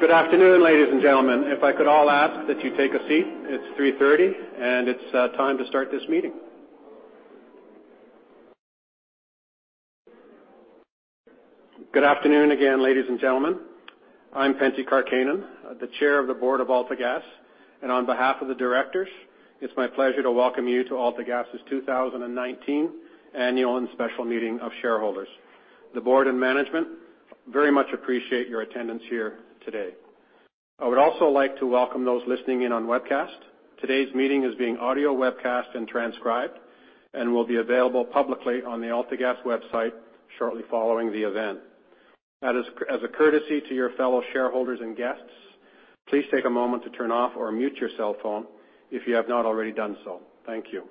Good afternoon, ladies and gentlemen. If I could all ask that you take a seat. It's 3:30, and it's time to start this meeting. Good afternoon again, ladies and gentlemen. I'm Pentti Karkkainen, the Chair of the Board of AltaGas, and on behalf of the directors, it's my pleasure to welcome you to AltaGas' 2019 Annual and Special Meeting of Shareholders. The board and management very much appreciate your attendance here today. I would also like to welcome those listening in on webcast. Today's meeting is being audio webcast and transcribed and will be available publicly on the AltaGas website shortly following the event. As a courtesy to your fellow shareholders and guests, please take a moment to turn off or mute your cellphone if you have not already done so. Thank you.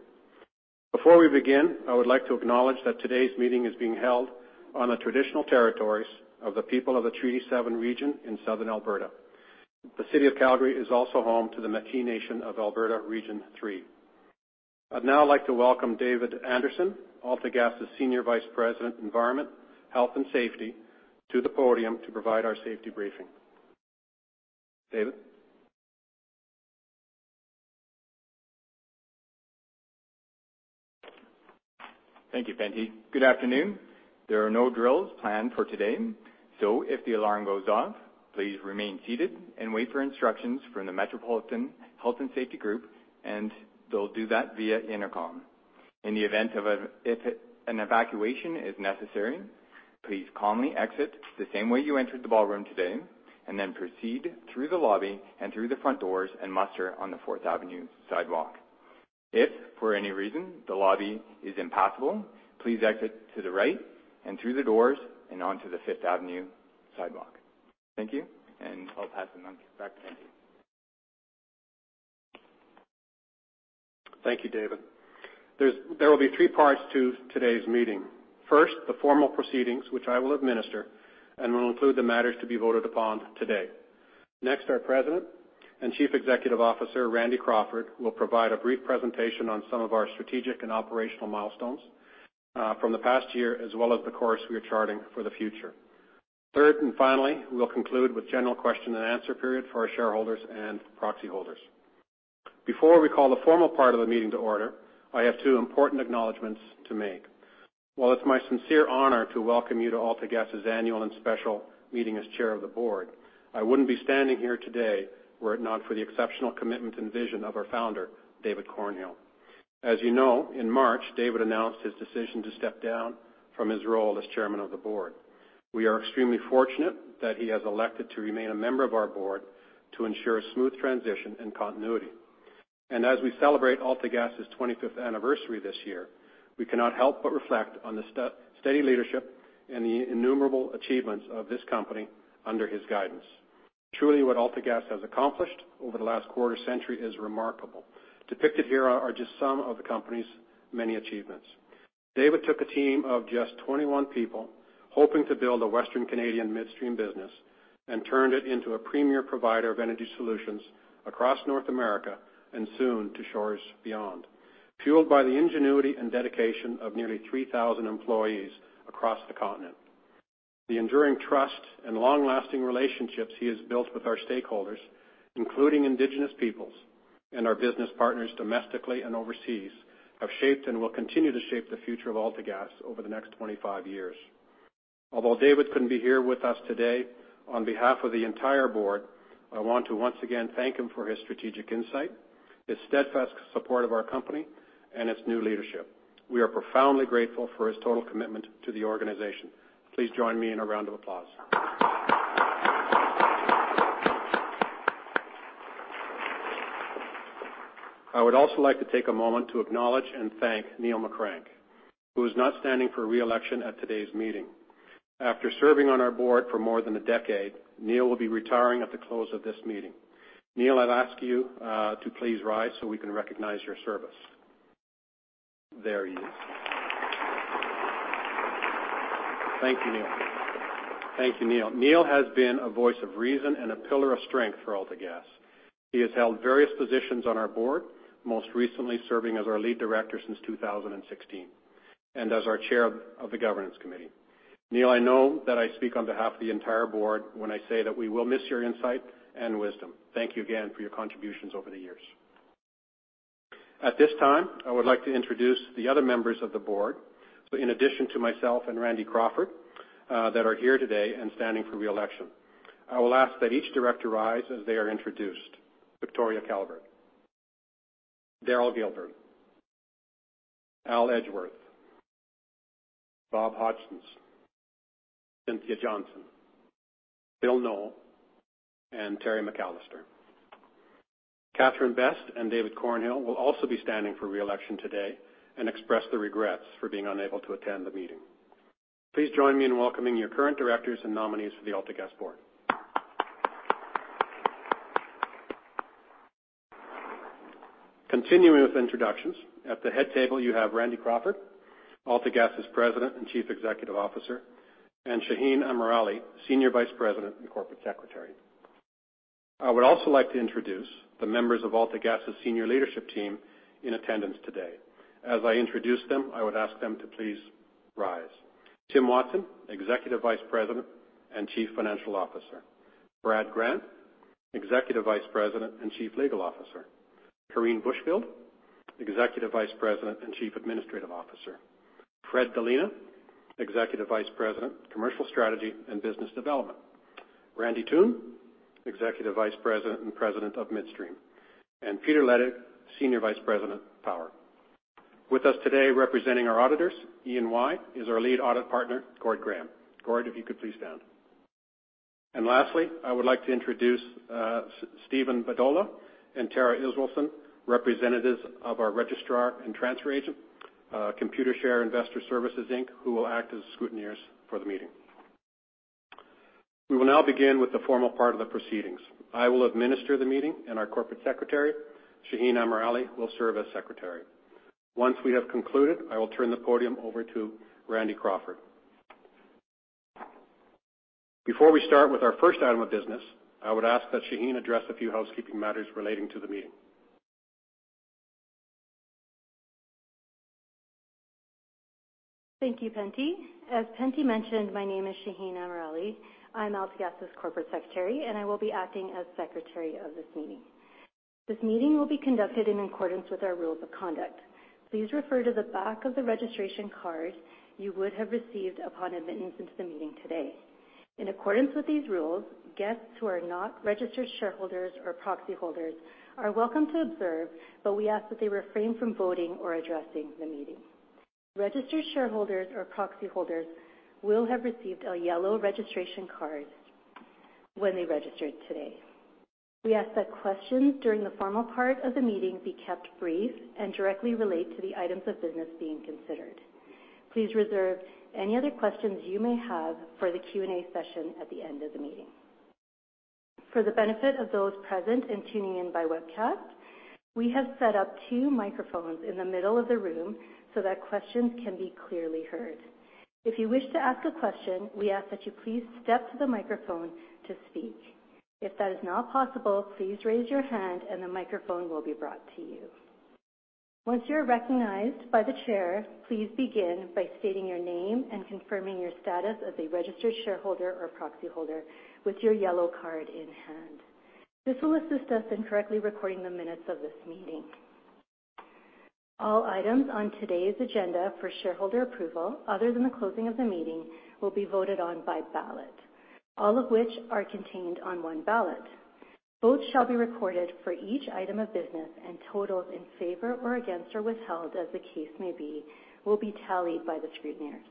Before we begin, I would like to acknowledge that today's meeting is being held on the traditional territories of the people of the Treaty 7 region in Southern Alberta. The City of Calgary is also home to the Metis Nation of Alberta, Region III. I'd now like to welcome David Anderson, AltaGas' Senior Vice President of Environment, Health, and Safety, to the podium to provide our safety briefing. David? Thank you, Pentti. Good afternoon. There are no drills planned for today. If the alarm goes off, please remain seated and wait for instructions from the Metropolitan Health and Safety Group. They'll do that via intercom. In the event if an evacuation is necessary, please calmly exit the same way you entered the ballroom today. Then proceed through the lobby and through the front doors and muster on the Fourth Avenue sidewalk. If, for any reason, the lobby is impassable, please exit to the right and through the doors and onto the Fifth Avenue sidewalk. Thank you. I'll pass the mic back to Pentti. Thank you, David. There will be three parts to today's meeting. First, the formal proceedings, which I will administer, will include the matters to be voted upon today. Next, our President and Chief Executive Officer, Randy Crawford, will provide a brief presentation on some of our strategic and operational milestones from the past year as well as the course we are charting for the future. Third and finally, we will conclude with general question and answer period for our shareholders and proxy holders. Before we call the formal part of the meeting to order, I have two important acknowledgments to make. While it's my sincere honor to welcome you to AltaGas' Annual and Special Meeting as Chair of the Board, I wouldn't be standing here today were it not for the exceptional commitment and vision of our founder, David Cornhill. As you know, in March, David announced his decision to step down from his role as Chairman of the Board. We are extremely fortunate that he has elected to remain a member of our board to ensure a smooth transition and continuity. As we celebrate AltaGas' 25th anniversary this year, we cannot help but reflect on the steady leadership and the innumerable achievements of this company under his guidance. Truly, what AltaGas has accomplished over the last quarter-century is remarkable. Depicted here are just some of the company's many achievements. David took a team of just 21 people hoping to build a Western Canadian midstream business and turned it into a premier provider of energy solutions across North America and soon to shores beyond, fueled by the ingenuity and dedication of nearly 3,000 employees across the continent. The enduring trust and long-lasting relationships he has built with our stakeholders, including Indigenous peoples and our business partners domestically and overseas, have shaped and will continue to shape the future of AltaGas over the next 25 years. Although David couldn't be here with us today, on behalf of the entire board, I want to once again thank him for his strategic insight, his steadfast support of our company, and its new leadership. We are profoundly grateful for his total commitment to the organization. Please join me in a round of applause. I would also like to take a moment to acknowledge and thank Neil McCrank, who is not standing for re-election at today's meeting. After serving on our board for more than a decade, Neil will be retiring at the close of this meeting. Neil, I'll ask you to please rise so we can recognize your service. There he is. Thank you, Neil. Neil has been a voice of reason and a pillar of strength for AltaGas. He has held various positions on our board, most recently serving as our Lead Director since 2016, and as our Chair of the Governance Committee. Neil, I know that I speak on behalf of the entire board when I say that we will miss your insight and wisdom. Thank you again for your contributions over the years. At this time, I would like to introduce the other members of the board, in addition to myself and Randy Crawford, that are here today and standing for re-election. I will ask that each director rise as they are introduced. Victoria Calvert, Daryl Gilbert, Allan Edgeworth, Robert Hodgins, Cynthia Johnston, Phillip Knoll, and Terry McCallister. Catherine Best and David Cornhill will also be standing for re-election today and express their regrets for being unable to attend the meeting. Please join me in welcoming your current directors and nominees for the AltaGas board. Continuing with introductions, at the head table, you have Randy Crawford, AltaGas' President and Chief Executive Officer, and Shaheen Amirali, Senior Vice President and Corporate Secretary. I would also like to introduce the members of AltaGas's senior leadership team in attendance today. As I introduce them, I would ask them to please rise. Tim Watson, Executive Vice President and Chief Financial Officer. Brad Grant, Executive Vice President and Chief Legal Officer. Corine Bushfield, Executive Vice President and Chief Administrative Officer. Fred Dalena, Executive Vice President, Commercial Strategy and Business Development. Randy Toone, Executive Vice President and President of Midstream. Peter Ledig, Senior Vice President, Power. With us today representing our auditors, EY, is our lead audit partner, Gord Graham. Gord, if you could please stand. Lastly, I would like to introduce Steven Budola and Terry Hills-Wilson, representatives of our registrar and transfer agent, Computershare Investor Services Inc, who will act as scrutineers for the meeting. We will now begin with the formal part of the proceedings. I will administer the meeting, and our corporate secretary, Shaheen Amirali, will serve as secretary. Once we have concluded, I will turn the podium over to Randy Crawford. Before we start with our first item of business, I would ask that Shaheen address a few housekeeping matters relating to the meeting. Thank you, Pentti. As Pentti mentioned, my name is Shaheen Amirali. I'm AltaGas's corporate secretary, and I will be acting as secretary of this meeting. This meeting will be conducted in accordance with our rules of conduct. Please refer to the back of the registration card you would have received upon admittance into the meeting today. In accordance with these rules, guests who are not registered shareholders or proxy holders are welcome to observe, but we ask that they refrain from voting or addressing the meeting. Registered shareholders or proxy holders will have received a yellow registration card when they registered today. We ask that questions during the formal part of the meeting be kept brief and directly relate to the items of business being considered. Please reserve any other questions you may have for the Q&A session at the end of the meeting. For the benefit of those present and tuning in by webcast, we have set up two microphones in the middle of the room so that questions can be clearly heard. If you wish to ask a question, we ask that you please step to the microphone to speak. If that is not possible, please raise your hand and the microphone will be brought to you. Once you are recognized by the chair, please begin by stating your name and confirming your status as a registered shareholder or proxy holder with your yellow card in hand. This will assist us in correctly recording the minutes of this meeting. All items on today's agenda for shareholder approval, other than the closing of the meeting, will be voted on by ballot, all of which are contained on one ballot. Votes shall be recorded for each item of business. Totals in favor or against or withheld, as the case may be, will be tallied by the scrutineers.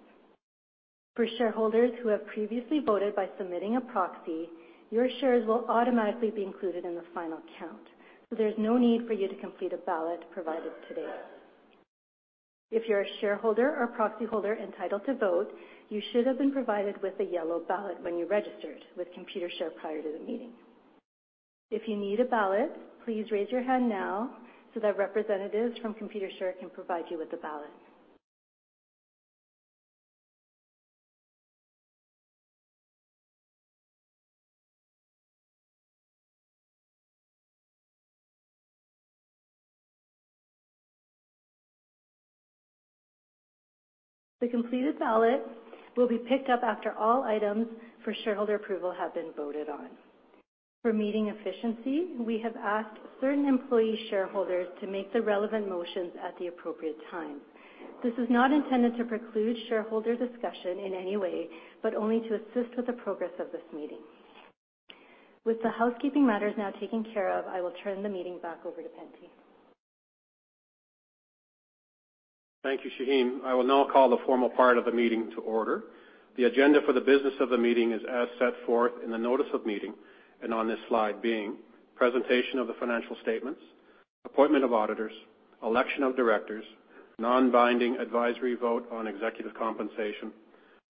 For shareholders who have previously voted by submitting a proxy, your shares will automatically be included in the final count. There's no need for you to complete a ballot provided today. If you're a shareholder or proxy holder entitled to vote, you should have been provided with a yellow ballot when you registered with Computershare prior to the meeting. If you need a ballot, please raise your hand now so that representatives from Computershare can provide you with the ballot. The completed ballot will be picked up after all items for shareholder approval have been voted on. For meeting efficiency, we have asked certain employee shareholders to make the relevant motions at the appropriate time. This is not intended to preclude shareholder discussion in any way, but only to assist with the progress of this meeting. With the housekeeping matters now taken care of, I will turn the meeting back over to Pentti. Thank you, Shaheen. I will now call the formal part of the meeting to order. The agenda for the business of the meeting is as set forth in the notice of meeting, on this slide being presentation of the financial statements, appointment of auditors, election of directors, non-binding advisory vote on executive compensation,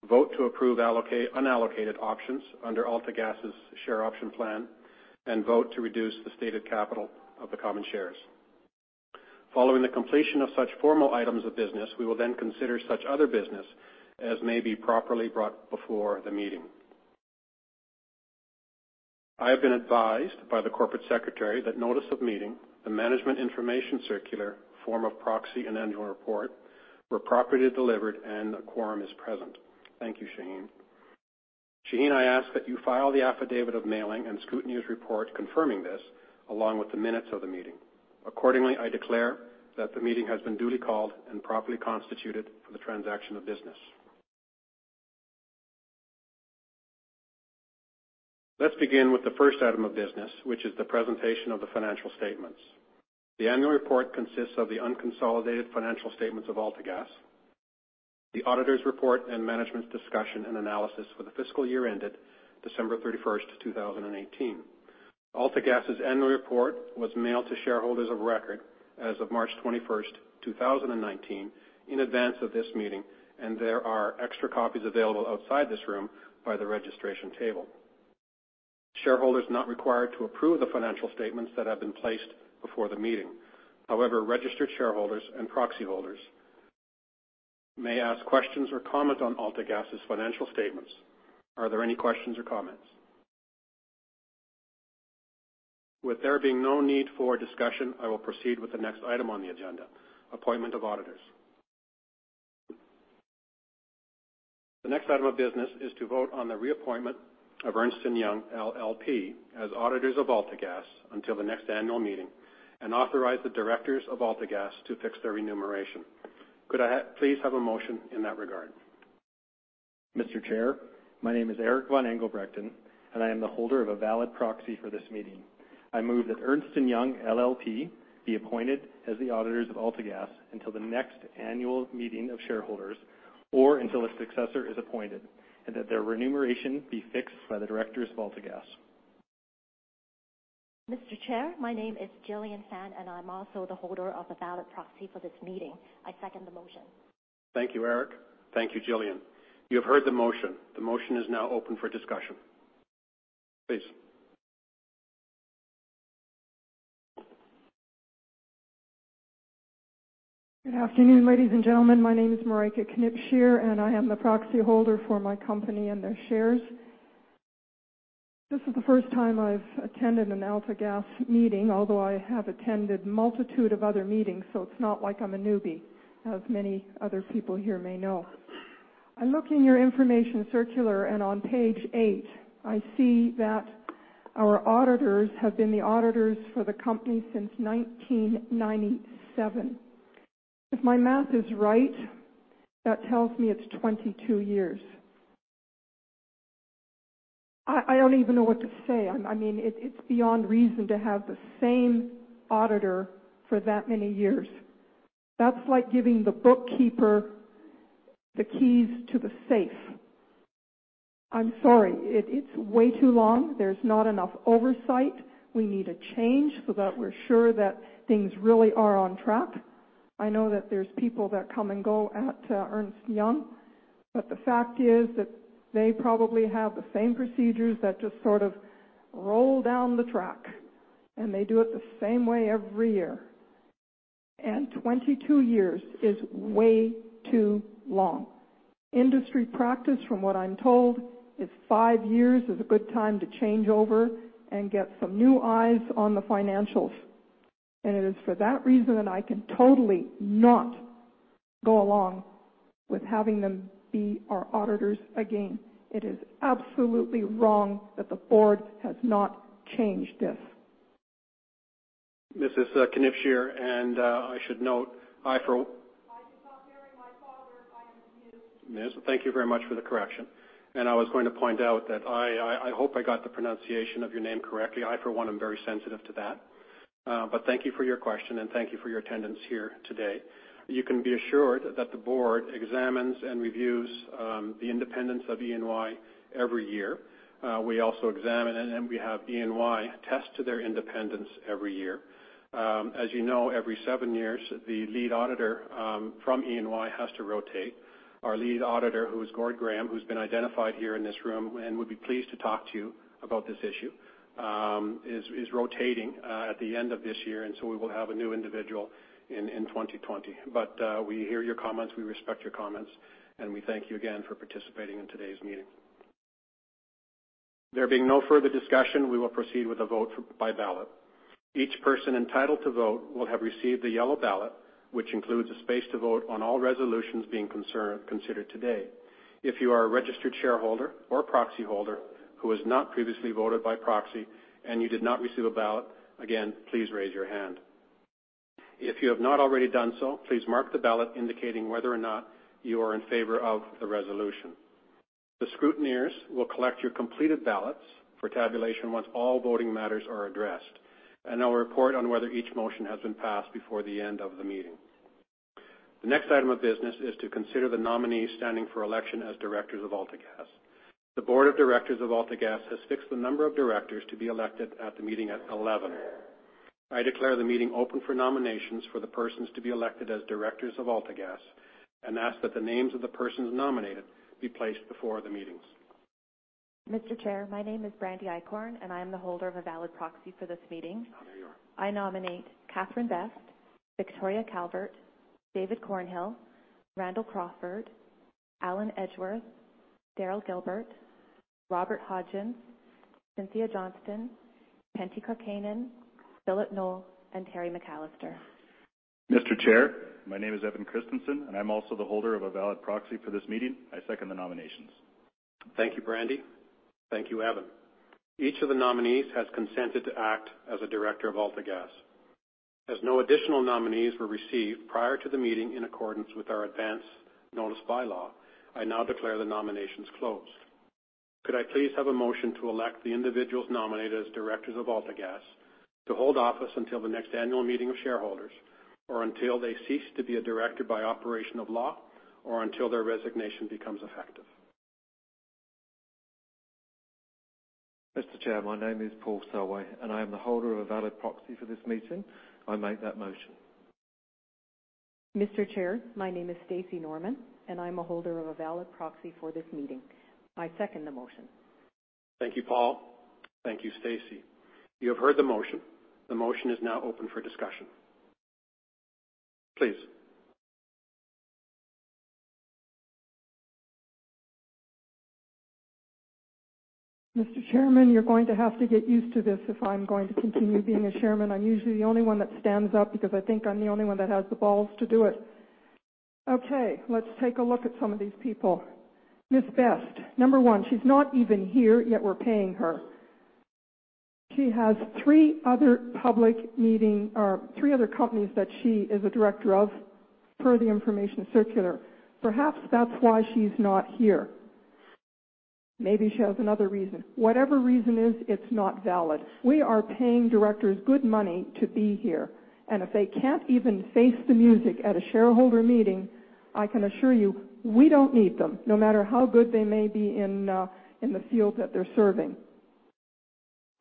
vote to approve unallocated options under AltaGas's share option plan, vote to reduce the stated capital of the common shares. Following the completion of such formal items of business, we will then consider such other business as may be properly brought before the meeting. I have been advised by the corporate secretary that notice of meeting, the management information circular, form of proxy, and annual report were properly delivered and a quorum is present. Thank you, Shaheen. Shaheen, I ask that you file the affidavit of mailing and scrutineer's report confirming this, along with the minutes of the meeting. Accordingly, I declare that the meeting has been duly called and properly constituted for the transaction of business. Let's begin with the first item of business, which is the presentation of the financial statements. The annual report consists of the unconsolidated financial statements of AltaGas, the auditors' report, and management's discussion and analysis for the fiscal year ended December 31st, 2018. AltaGas's annual report was mailed to shareholders of record as of March 21st, 2019, in advance of this meeting, and there are extra copies available outside this room by the registration table. Shareholders are not required to approve the financial statements that have been placed before the meeting. However, registered shareholders and proxy holders may ask questions or comment on AltaGas's financial statements. Are there any questions or comments? With there being no need for discussion, I will proceed with the next item on the agenda, appointment of auditors. The next item of business is to vote on the reappointment of Ernst & Young LLP as auditors of AltaGas until the next annual meeting and authorize the directors of AltaGas to fix their remuneration. Could I please have a motion in that regard? Mr. Chair, my name is Eric von Engelbrechten. I am the holder of a valid proxy for this meeting. I move that Ernst & Young LLP be appointed as the auditors of AltaGas until the next annual meeting of shareholders or until a successor is appointed, that their remuneration be fixed by the directors of AltaGas. Mr. Chair, my name is Jillian Fan. I am also the holder of a valid proxy for this meeting. I second the motion. Thank you, Eric. Thank you, Jillian. You have heard the motion. The motion is now open for discussion. Please. Good afternoon, ladies and gentlemen. My name is Marieka Knipscher. I am the proxy holder for my company and their shares. This is the first time I've attended an AltaGas meeting, although I have attended a multitude of other meetings, so it's not like I'm a newbie, as many other people here may know. I look in your information circular, on page eight, I see that our auditors have been the auditors for the company since 1997. If my math is right, that tells me it's 22 years. I don't even know what to say. It's beyond reason to have the same auditor for that many years. That's like giving the bookkeeper the keys to the safe. I'm sorry. It's way too long. There's not enough oversight. We need a change so that we're sure that things really are on track. I know that there's people that come and go at Ernst & Young, but the fact is that they probably have the same procedures that just sort of roll down the track, and they do it the same way every year. 22 years is way too long. Industry practice, from what I'm told, is five years is a good time to change over and get some new eyes on the financials. It is for that reason that I can totally not go along with having them be our auditors again. It is absolutely wrong that the board has not changed this. Ms. Knipscher, and I should note, I cannot hear my father. I am confused. Yes. Thank you very much for the correction. I was going to point out that I hope I got the pronunciation of your name correctly. I, for one, am very sensitive to that. But thank you for your question, and thank you for your attendance here today. You can be assured that the board examines and reviews the independence of E&Y every year. We also examine, and we have E&Y attest to their independence every year. As you know, every seven years, the lead auditor from E&Y has to rotate. Our lead auditor, who is Gord Graham, who's been identified here in this room and would be pleased to talk to you about this issue, is rotating at the end of this year, so we will have a new individual in 2020. We hear your comments, we respect your comments, and we thank you again for participating in today's meeting. There being no further discussion, we will proceed with a vote by ballot. Each person entitled to vote will have received a yellow ballot, which includes a space to vote on all resolutions being considered today. If you are a registered shareholder or proxy holder who has not previously voted by proxy and you did not receive a ballot, again, please raise your hand. If you have not already done so, please mark the ballot indicating whether or not you are in favor of the resolution. The scrutineers will collect your completed ballots for tabulation once all voting matters are addressed, and I will report on whether each motion has been passed before the end of the meeting. The next item of business is to consider the nominees standing for election as directors of AltaGas. The board of directors of AltaGas has fixed the number of directors to be elected at the meeting at 11. I declare the meeting open for nominations for the persons to be elected as directors of AltaGas and ask that the names of the persons nominated be placed before the meeting. Mr. Chair, my name is Brandy Eichhorn, and I am the holder of a valid proxy for this meeting. There you are. I nominate Catherine Best, Victoria Calvert, David Cornhill, Randall Crawford, Allan Edgeworth, Daryl Gilbert, Robert Hodgins, Cynthia Johnston, Pentti Karkkainen, Phillip Knoll, and Terry McCallister. Mr. Chair, my name is Evan Christensen, and I'm also the holder of a valid proxy for this meeting. I second the nominations. Thank you, Brandy. Thank you, Evan. Each of the nominees has consented to act as a director of AltaGas. As no additional nominees were received prior to the meeting in accordance with our advance notice bylaw, I now declare the nominations closed. Could I please have a motion to elect the individuals nominated as directors of AltaGas to hold office until the next annual meeting of shareholders, or until they cease to be a director by operation of law, or until their resignation becomes effective? Mr. Chair, my name is Paul Selway, and I am the holder of a valid proxy for this meeting. I make that motion. Mr. Chair, my name is Stacey Norman, and I'm a holder of a valid proxy for this meeting. I second the motion. Thank you, Paul. Thank you, Stacey. You have heard the motion. The motion is now open for discussion. Please. Mr. Chairman, you're going to have to get used to this if I'm going to continue being a chairman. I'm usually the only one that stands up because I think I'm the only one that has the balls to do it. Let's take a look at some of these people. Ms. Best, number 1, she's not even here, yet we're paying her. She has 3 other companies that she is a director of, per the information circular. Perhaps that's why she's not here. Maybe she has another reason. Whatever reason is, it's not valid. We are paying directors good money to be here. If they can't even face the music at a shareholder meeting, I can assure you, we don't need them, no matter how good they may be in the field that they're serving.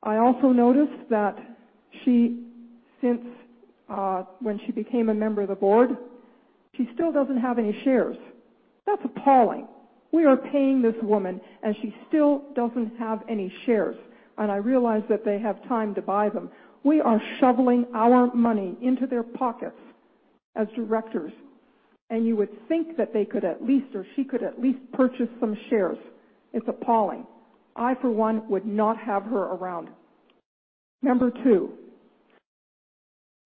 I also noticed that when she became a member of the board, she still doesn't have any shares. That's appalling. We are paying this woman. She still doesn't have any shares. I realize that they have time to buy them. We are shoveling our money into their pockets as directors. You would think that they could at least, or she could at least purchase some shares. It's appalling. I, for one, would not have her around. Number 2,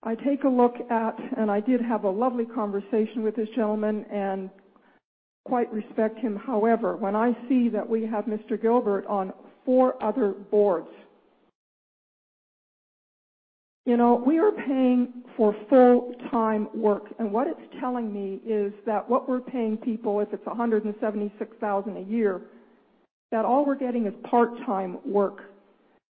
I take a look at. I did have a lovely conversation with this gentleman and quite respect him. However, when I see that we have Mr. Gilbert on 4 other boards, we are paying for full-time work. What it's telling me is that what we're paying people, if it's 176,000 a year, all we're getting is part-time work.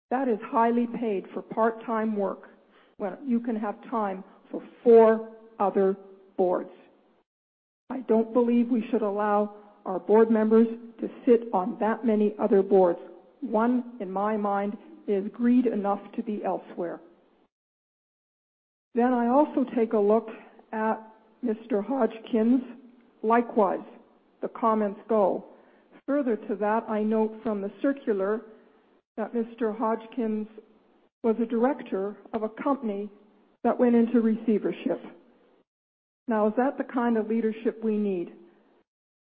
That is highly paid for part-time work where you can have time for 4 other boards. I don't believe we should allow our board members to sit on that many other boards. 1, in my mind, is greed enough to be elsewhere. I also take a look at Mr. Hodgins. Likewise, the comments go. Further to that, I note from the circular that Mr. Hodgins was a director of a company that went into receivership. Is that the kind of leadership we need?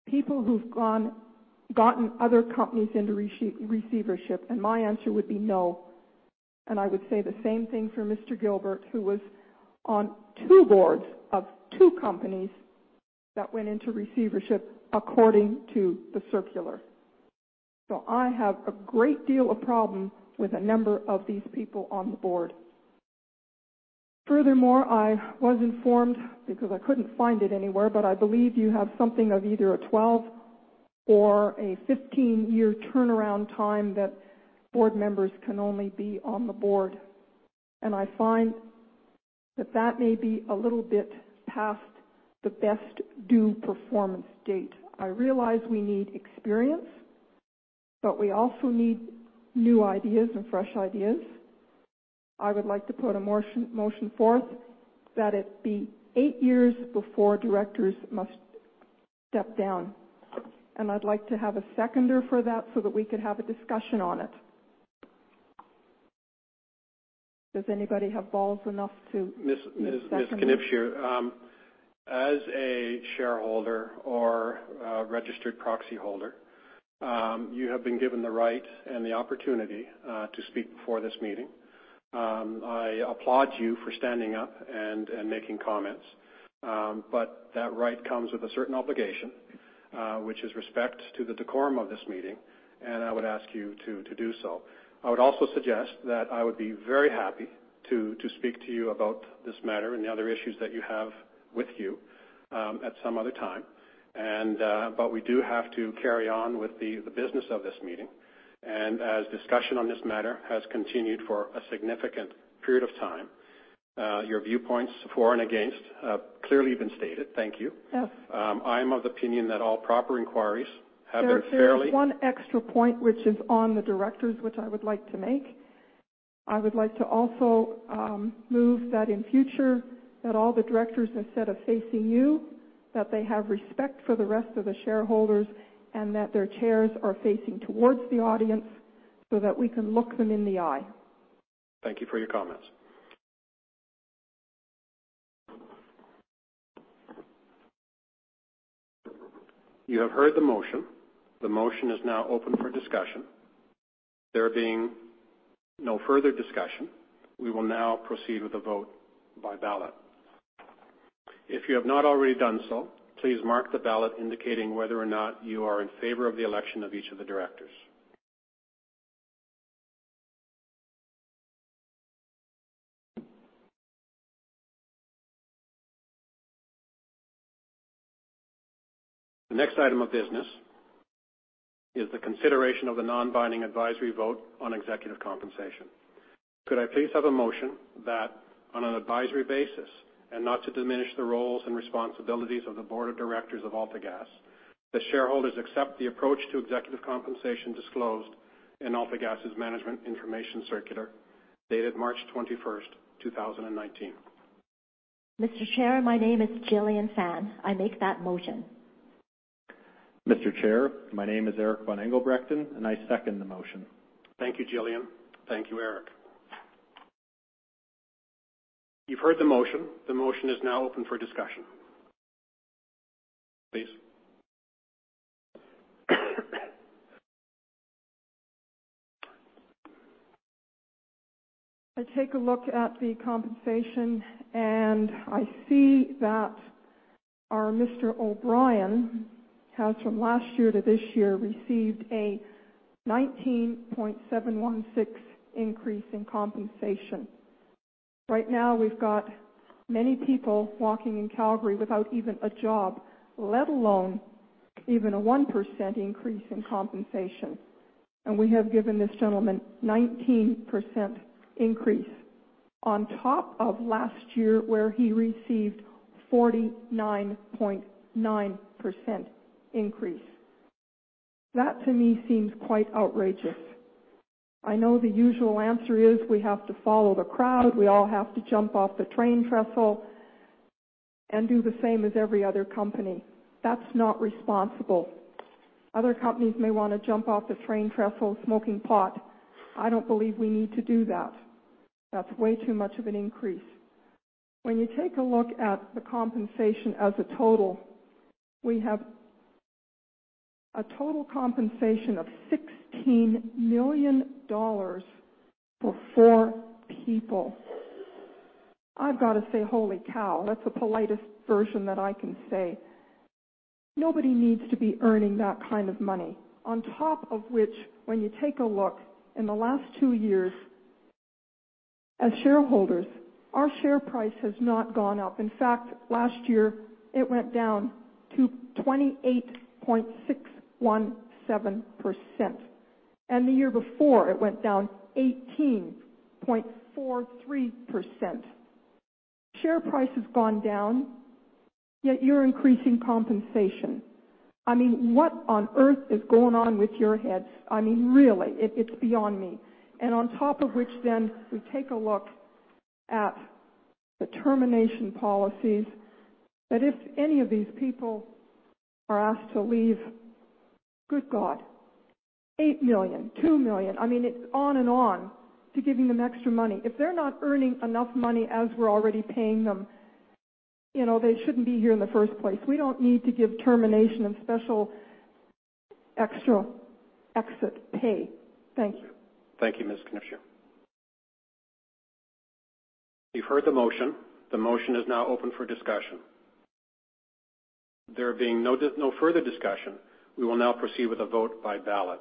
People who've gotten other companies into receivership? My answer would be no. I would say the same thing for Mr. Gilbert, who was on 2 boards of 2 companies that went into receivership, according to the circular. I have a great deal of problem with a number of these people on the board. Furthermore, I was informed, because I couldn't find it anywhere, I believe you have something of either a 12 or a 15-year turnaround time that board members can only be on the board. I find that that may be a little bit past the best due performance date. I realize we need experience, we also need new ideas and fresh ideas. I would like to put a motion forth that it be eight years before directors must step down, I'd like to have a seconder for that so that we could have a discussion on it. Does anybody have balls enough to- Ms. Knipscher, as a shareholder or a registered proxy holder, you have been given the right and the opportunity to speak before this meeting. I applaud you for standing up and making comments. That right comes with a certain obligation, which is respect to the decorum of this meeting, I would ask you to do so. I would also suggest that I would be very happy to speak to you about this matter and the other issues that you have with you at some other time. We do have to carry on with the business of this meeting. As discussion on this matter has continued for a significant period of time, your viewpoints for and against have clearly been stated. Thank you. Yes. I'm of the opinion that all proper inquiries have been fairly- There's one extra point which is on the directors, which I would like to make. I would like to also move that in future, that all the directors, instead of facing you, that they have respect for the rest of the shareholders and that their chairs are facing towards the audience so that we can look them in the eye. Thank you for your comments. You have heard the motion. The motion is now open for discussion. There being no further discussion, we will now proceed with the vote by ballot. If you have not already done so, please mark the ballot indicating whether or not you are in favor of the election of each of the directors. The next item of business is the consideration of the non-binding advisory vote on executive compensation. Could I please have a motion that on an advisory basis, and not to diminish the roles and responsibilities of the board of directors of AltaGas, the shareholders accept the approach to executive compensation disclosed in AltaGas's Management Information Circular dated March 21st, 2019? Mr. Chair, my name is Jillian Fan. I make that motion. Mr. Chair, my name is Eric Von Engelbrechten. I second the motion. Thank you, Jillian. Thank you, Eric. You've heard the motion. The motion is now open for discussion. Please. I take a look at the compensation, I see that our John O'Brien has, from last year to this year, received a 19.716 increase in compensation. Right now, we've got many people walking in Calgary without even a job, let alone even a 1% increase in compensation. We have given this gentleman 19% increase on top of last year, where he received 49.9% increase. That, to me, seems quite outrageous. I know the usual answer is we have to follow the crowd. We all have to jump off the train trestle and do the same as every other company. That's not responsible. Other companies may want to jump off the train trestle smoking pot. I don't believe we need to do that. That's way too much of an increase. When you take a look at the compensation as a total, we have a total compensation of 16 million dollars for four people. I've got to say, holy cow, that's the politest version that I can say. Nobody needs to be earning that kind of money. On top of which, when you take a look in the last two years as shareholders, our share price has not gone up. In fact, last year it went down to 28.617%. The year before, it went down 18.43%. Share price has gone down, yet you're increasing compensation. What on earth is going on with your heads? Really, it's beyond me. On top of which, we take a look at the termination policies. That if any of these people are asked to leave, good God, 8 million, 2 million, it's on and on to giving them extra money. If they're not earning enough money as we're already paying them, they shouldn't be here in the first place. We don't need to give termination and special extra exit pay. Thank you. Thank you, Ms. Knipscher. You've heard the motion. The motion is now open for discussion. There being no further discussion, we will now proceed with a vote by ballot.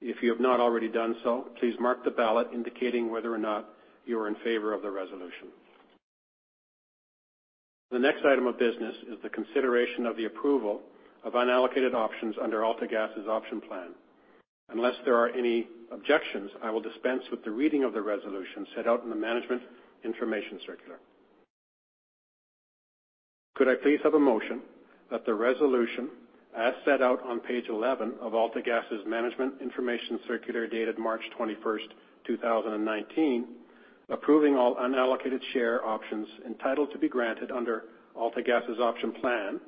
If you have not already done so, please mark the ballot indicating whether or not you are in favor of the resolution. The next item of business is the consideration of the approval of unallocated options under AltaGas's option plan. Unless there are any objections, I will dispense with the reading of the resolution set out in the management information circular. Could I please have a motion that the resolution, as set out on page 11 of AltaGas's management information circular dated March 21st, 2019, approving all unallocated share options entitled to be granted under AltaGas's option plan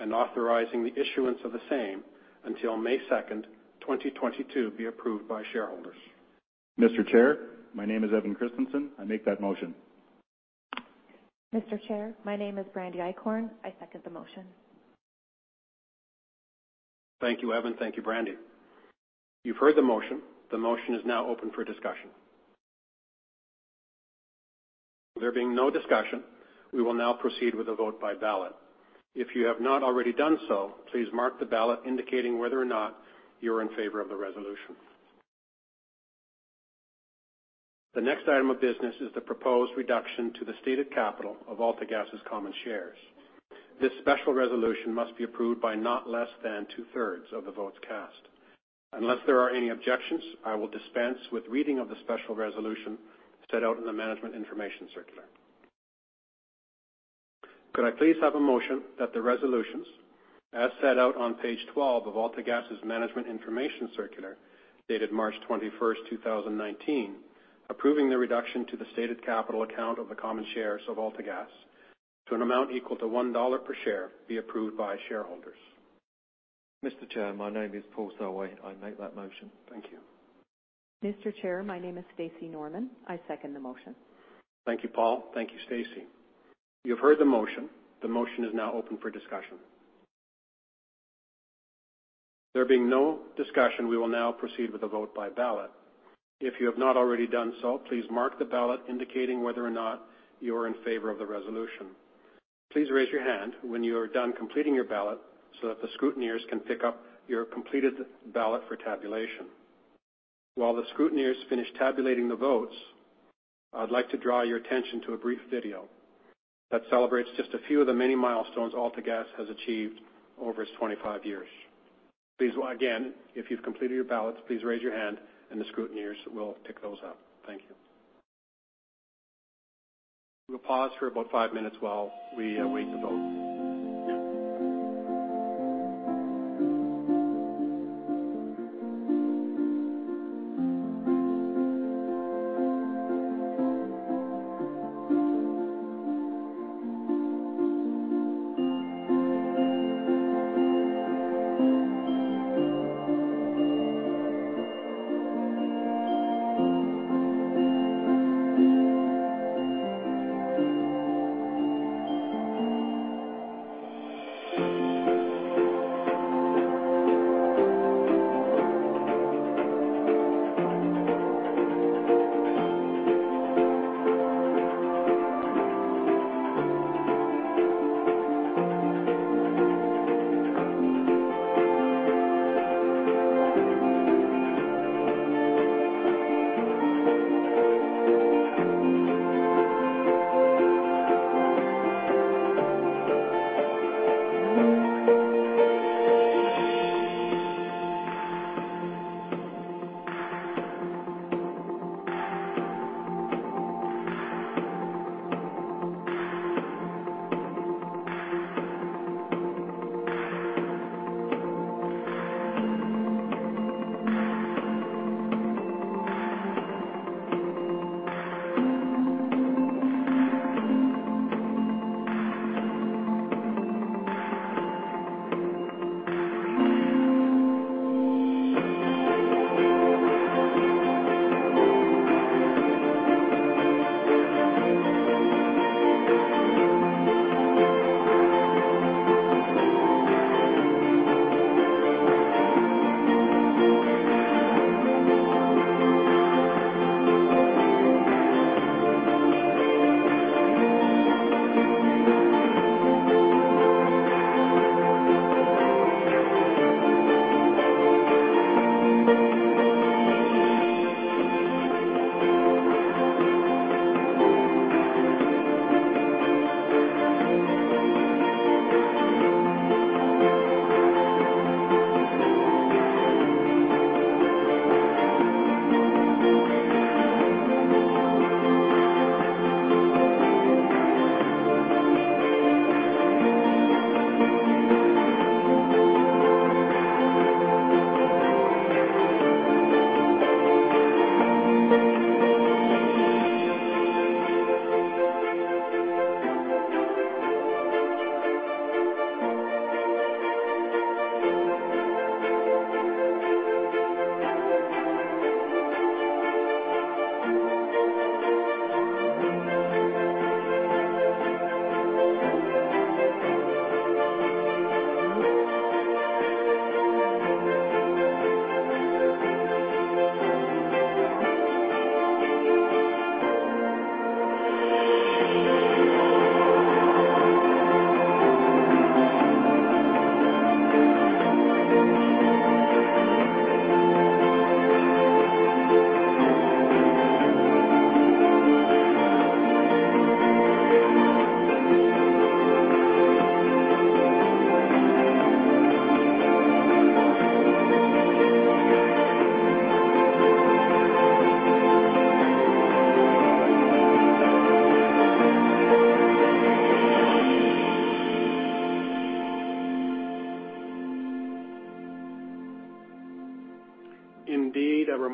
and authorizing the issuance of the same until May 2nd, 2022, be approved by shareholders? Mr. Chair, my name is Evan Christensen. I make that motion. Mr. Chair, my name is Brandy Eichhorn. I second the motion. Thank you, Evan. Thank you, Brandy. You've heard the motion. The motion is now open for discussion. There being no discussion, we will now proceed with a vote by ballot. If you have not already done so, please mark the ballot indicating whether or not you are in favor of the resolution. The next item of business is the proposed reduction to the stated capital of AltaGas's common shares. This special resolution must be approved by not less than two-thirds of the votes cast. Unless there are any objections, I will dispense with reading of the special resolution set out in the management information circular. Could I please have a motion that the resolutions, as set out on page 12 of AltaGas's management information circular dated March 21st, 2019, approving the reduction to the stated capital account of the common shares of AltaGas to an amount equal to 1 dollar per share, be approved by shareholders? Mr. Chair, my name is Paul Selway. I make that motion. Thank you. Mr. Chair, my name is Stacey Norman. I second the motion. Thank you, Paul. Thank you, Stacey. You've heard the motion. The motion is now open for discussion. There being no discussion, we will now proceed with a vote by ballot. If you have not already done so, please mark the ballot indicating whether or not you are in favor of the resolution. Please raise your hand when you are done completing your ballot so that the scrutineers can pick up your completed ballot for tabulation. While the scrutineers finish tabulating the votes, I'd like to draw your attention to a brief video that celebrates just a few of the many milestones AltaGas has achieved over its 25 years. Please, again, if you've completed your ballots, please raise your hand and the scrutineers will pick those up. Thank you. We'll pause for about five minutes while we await the vote.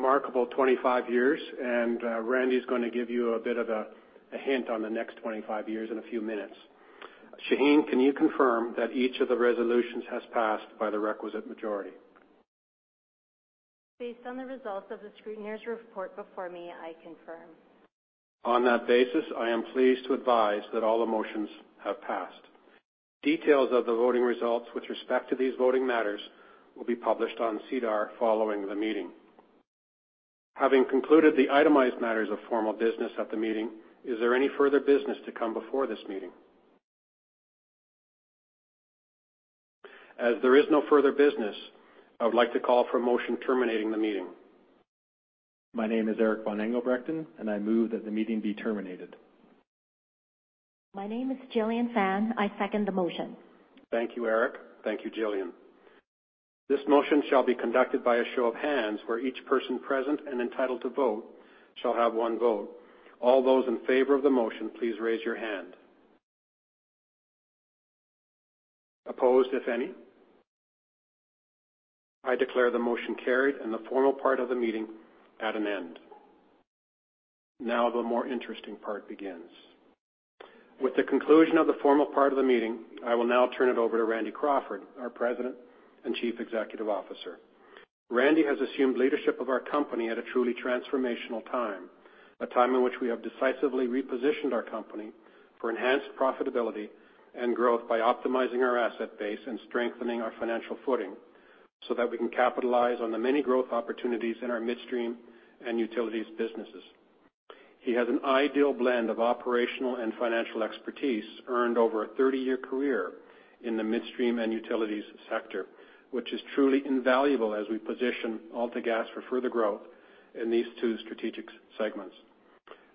Indeed, a remarkable 25 years, and Randy's going to give you a bit of a hint on the next 25 years in a few minutes. Shaheen, can you confirm that each of the resolutions has passed by the requisite majority? Based on the results of the scrutineer's report before me, I confirm. On that basis, I am pleased to advise that all the motions have passed. Details of the voting results with respect to these voting matters will be published on SEDAR following the meeting. Having concluded the itemized matters of formal business at the meeting, is there any further business to come before this meeting? As there is no further business, I would like to call for a motion terminating the meeting. My name is Eric von Engelbrechten, and I move that the meeting be terminated. My name is Jillian Fan. I second the motion. Thank you, Eric. Thank you, Jillian. This motion shall be conducted by a show of hands where each person present and entitled to vote shall have one vote. All those in favor of the motion, please raise your hand. Opposed, if any. I declare the motion carried and the formal part of the meeting at an end. Now, the more interesting part begins. With the conclusion of the formal part of the meeting, I will now turn it over to Randy Crawford, our President and Chief Executive Officer. Randy has assumed leadership of our company at a truly transformational time, a time in which we have decisively repositioned our company for enhanced profitability and growth by optimizing our asset base and strengthening our financial footing so that we can capitalize on the many growth opportunities in our midstream and utilities businesses. He has an ideal blend of operational and financial expertise earned over a 30-year career in the midstream and utilities sector, which is truly invaluable as we position AltaGas for further growth in these two strategic segments.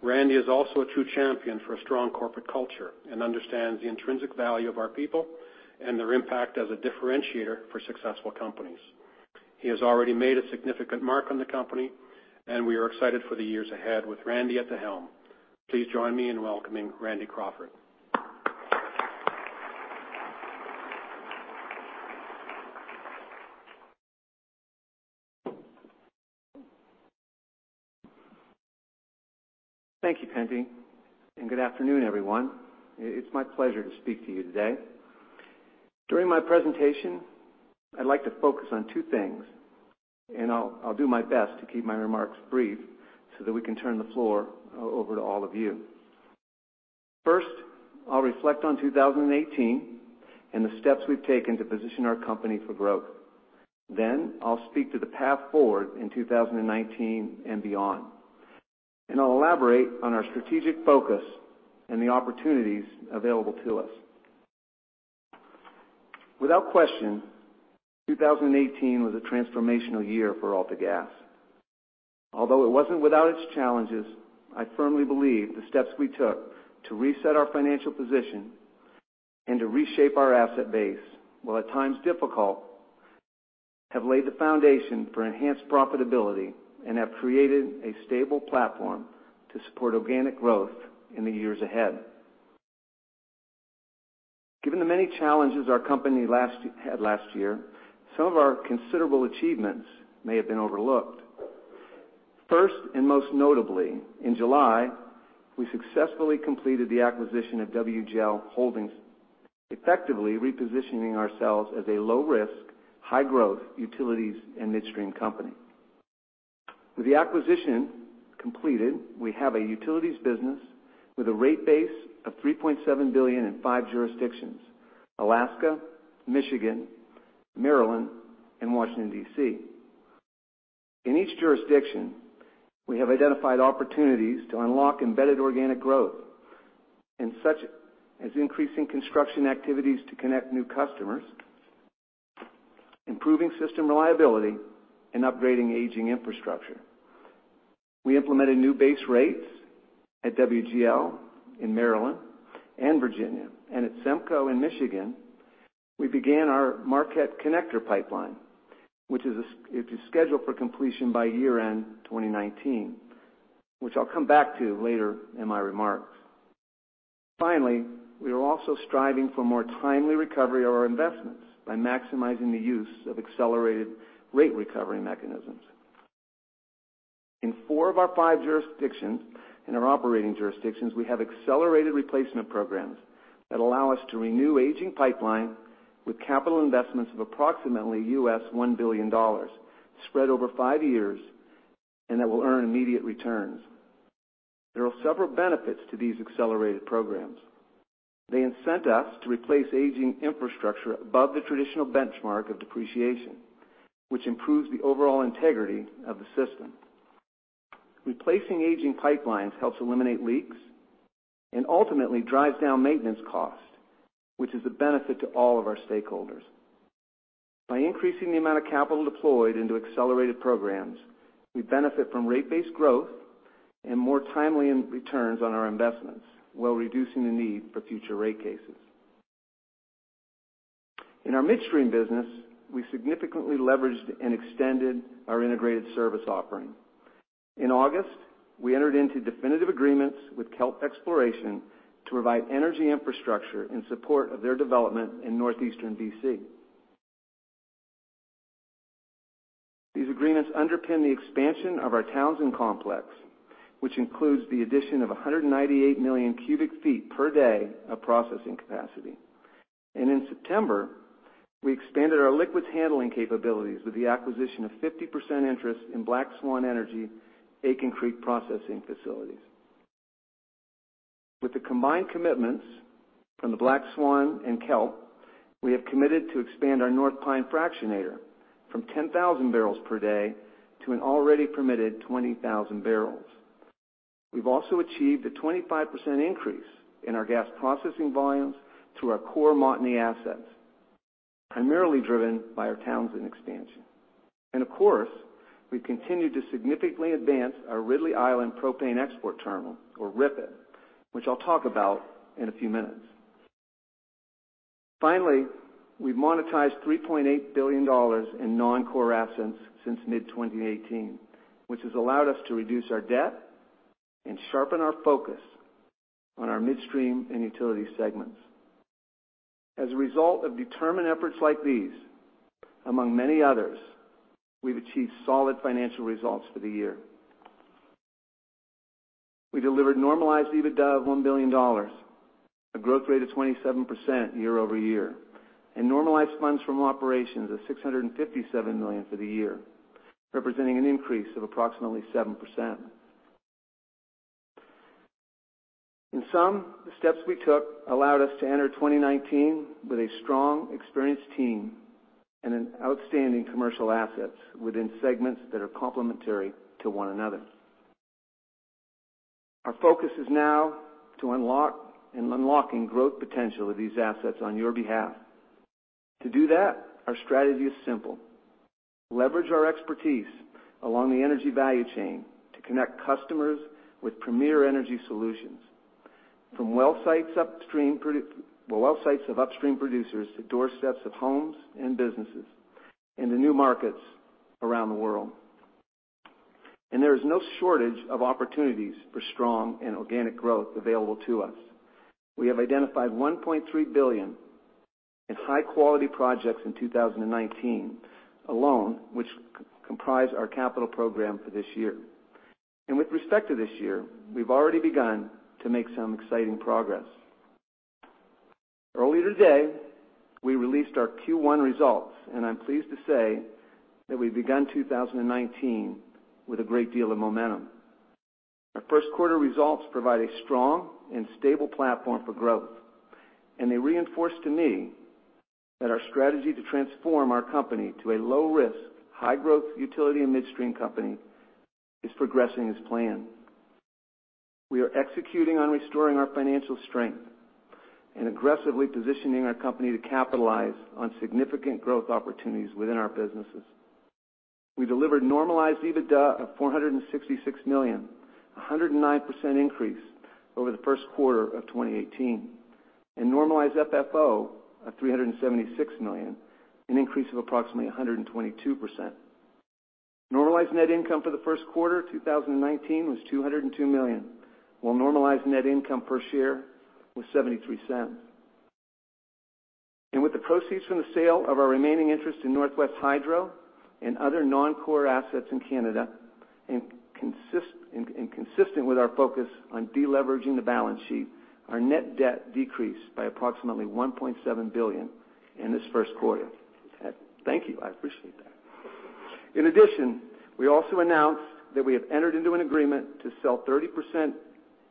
Randy is also a true champion for a strong corporate culture and understands the intrinsic value of our people and their impact as a differentiator for successful companies. He has already made a significant mark on the company, and we are excited for the years ahead with Randy at the helm. Please join me in welcoming Randy Crawford. Thank you, Pentti. Good afternoon, everyone. It's my pleasure to speak to you today. During my presentation, I'd like to focus on two things. I'll do my best to keep my remarks brief so that we can turn the floor over to all of you. First, I'll reflect on 2018 and the steps we've taken to position our company for growth. I'll speak to the path forward in 2019 and beyond. I'll elaborate on our strategic focus and the opportunities available to us. Without question, 2018 was a transformational year for AltaGas. Although it wasn't without its challenges, I firmly believe the steps we took to reset our financial position and to reshape our asset base, while at times difficult, have laid the foundation for enhanced profitability and have created a stable platform to support organic growth in the years ahead. Given the many challenges our company had last year, some of our considerable achievements may have been overlooked. First, most notably, in July, we successfully completed the acquisition of WGL Holdings, effectively repositioning ourselves as a low-risk, high-growth utilities and midstream company. With the acquisition completed, we have a utilities business with a rate base of 3.7 billion in five jurisdictions, Alaska, Michigan, Maryland, and Washington, D.C. In each jurisdiction, we have identified opportunities to unlock embedded organic growth, such as increasing construction activities to connect new customers, improving system reliability, and upgrading aging infrastructure. We implemented new base rates at WGL in Maryland and Virginia, and at SEMCO in Michigan, we began our Marquette Connector Pipeline, which is scheduled for completion by year-end 2019, which I'll come back to later in my remarks. Finally, we are also striving for more timely recovery of our investments by maximizing the use of accelerated rate recovery mechanisms. In four of our five jurisdictions, in our operating jurisdictions, we have accelerated replacement programs that allow us to renew aging pipeline with capital investments of approximately U.S. $1 billion spread over five years, and that will earn immediate returns. There are several benefits to these accelerated programs. They incent us to replace aging infrastructure above the traditional benchmark of depreciation, which improves the overall integrity of the system. Replacing aging pipelines helps eliminate leaks and ultimately drives down maintenance costs, which is a benefit to all of our stakeholders. By increasing the amount of capital deployed into accelerated programs, we benefit from rate-based growth and more timely returns on our investments while reducing the need for future rate cases. In our midstream business, we significantly leveraged and extended our integrated service offering. In August, we entered into definitive agreements with Kelt Exploration to provide energy infrastructure in support of their development in Northeastern B.C. These agreements underpin the expansion of our Townsend complex, which includes the addition of 198 million cubic feet per day of processing capacity. In September, we expanded our liquids handling capabilities with the acquisition of 50% interest in Black Swan Energy, Aitken Creek processing facilities. With the combined commitments from the Black Swan and Kelt, we have committed to expand our North Pine fractionator from 10,000 barrels per day to an already permitted 20,000 barrels. We've also achieved a 25% increase in our gas processing volumes through our core Montney assets, primarily driven by our Townsend expansion. Of course, we've continued to significantly advance our Ridley Island Propane Export Terminal, or RIPET, which I'll talk about in a few minutes. Finally, we've monetized 3.8 billion dollars in non-core assets since mid-2018, which has allowed us to reduce our debt and sharpen our focus on our midstream and utility segments. As a result of determined efforts like these, among many others, we've achieved solid financial results for the year. We delivered normalized EBITDA of 1 billion dollars, a growth rate of 27% year-over-year, and normalized funds from operations of 657 million for the year, representing an increase of approximately 7%. In sum, the steps we took allowed us to enter 2019 with a strong, experienced team and outstanding commercial assets within segments that are complementary to one another. Our focus is now on unlocking growth potential of these assets on your behalf. To do that, our strategy is simple. Leverage our expertise along the energy value chain to connect customers with premier energy solutions, from well sites of upstream producers to doorsteps of homes and businesses in the new markets around the world. There is no shortage of opportunities for strong and organic growth available to us. We have identified 1.3 billion in high-quality projects in 2019 alone, which comprise our capital program for this year. With respect to this year, we've already begun to make some exciting progress. Earlier today, we released our Q1 results, and I'm pleased to say that we've begun 2019 with a great deal of momentum. Our first quarter results provide a strong and stable platform for growth, and they reinforce to me that our strategy to transform our company to a low-risk, high-growth utility and midstream company is progressing as planned. We are executing on restoring our financial strength and aggressively positioning our company to capitalize on significant growth opportunities within our businesses. We delivered normalized EBITDA of 466 million, a 109% increase over the first quarter of 2018, and normalized FFO of 376 million, an increase of approximately 122%. Normalized net income for the first quarter 2019 was 202 million, while normalized net income per share was 0.73. With the proceeds from the sale of our remaining interest in Northwest Hydro and other non-core assets in Canada, and consistent with our focus on de-leveraging the balance sheet, our net debt decreased by approximately 1.7 billion in this first quarter. Thank you. I appreciate that. In addition, we also announced that we have entered into an agreement to sell 30%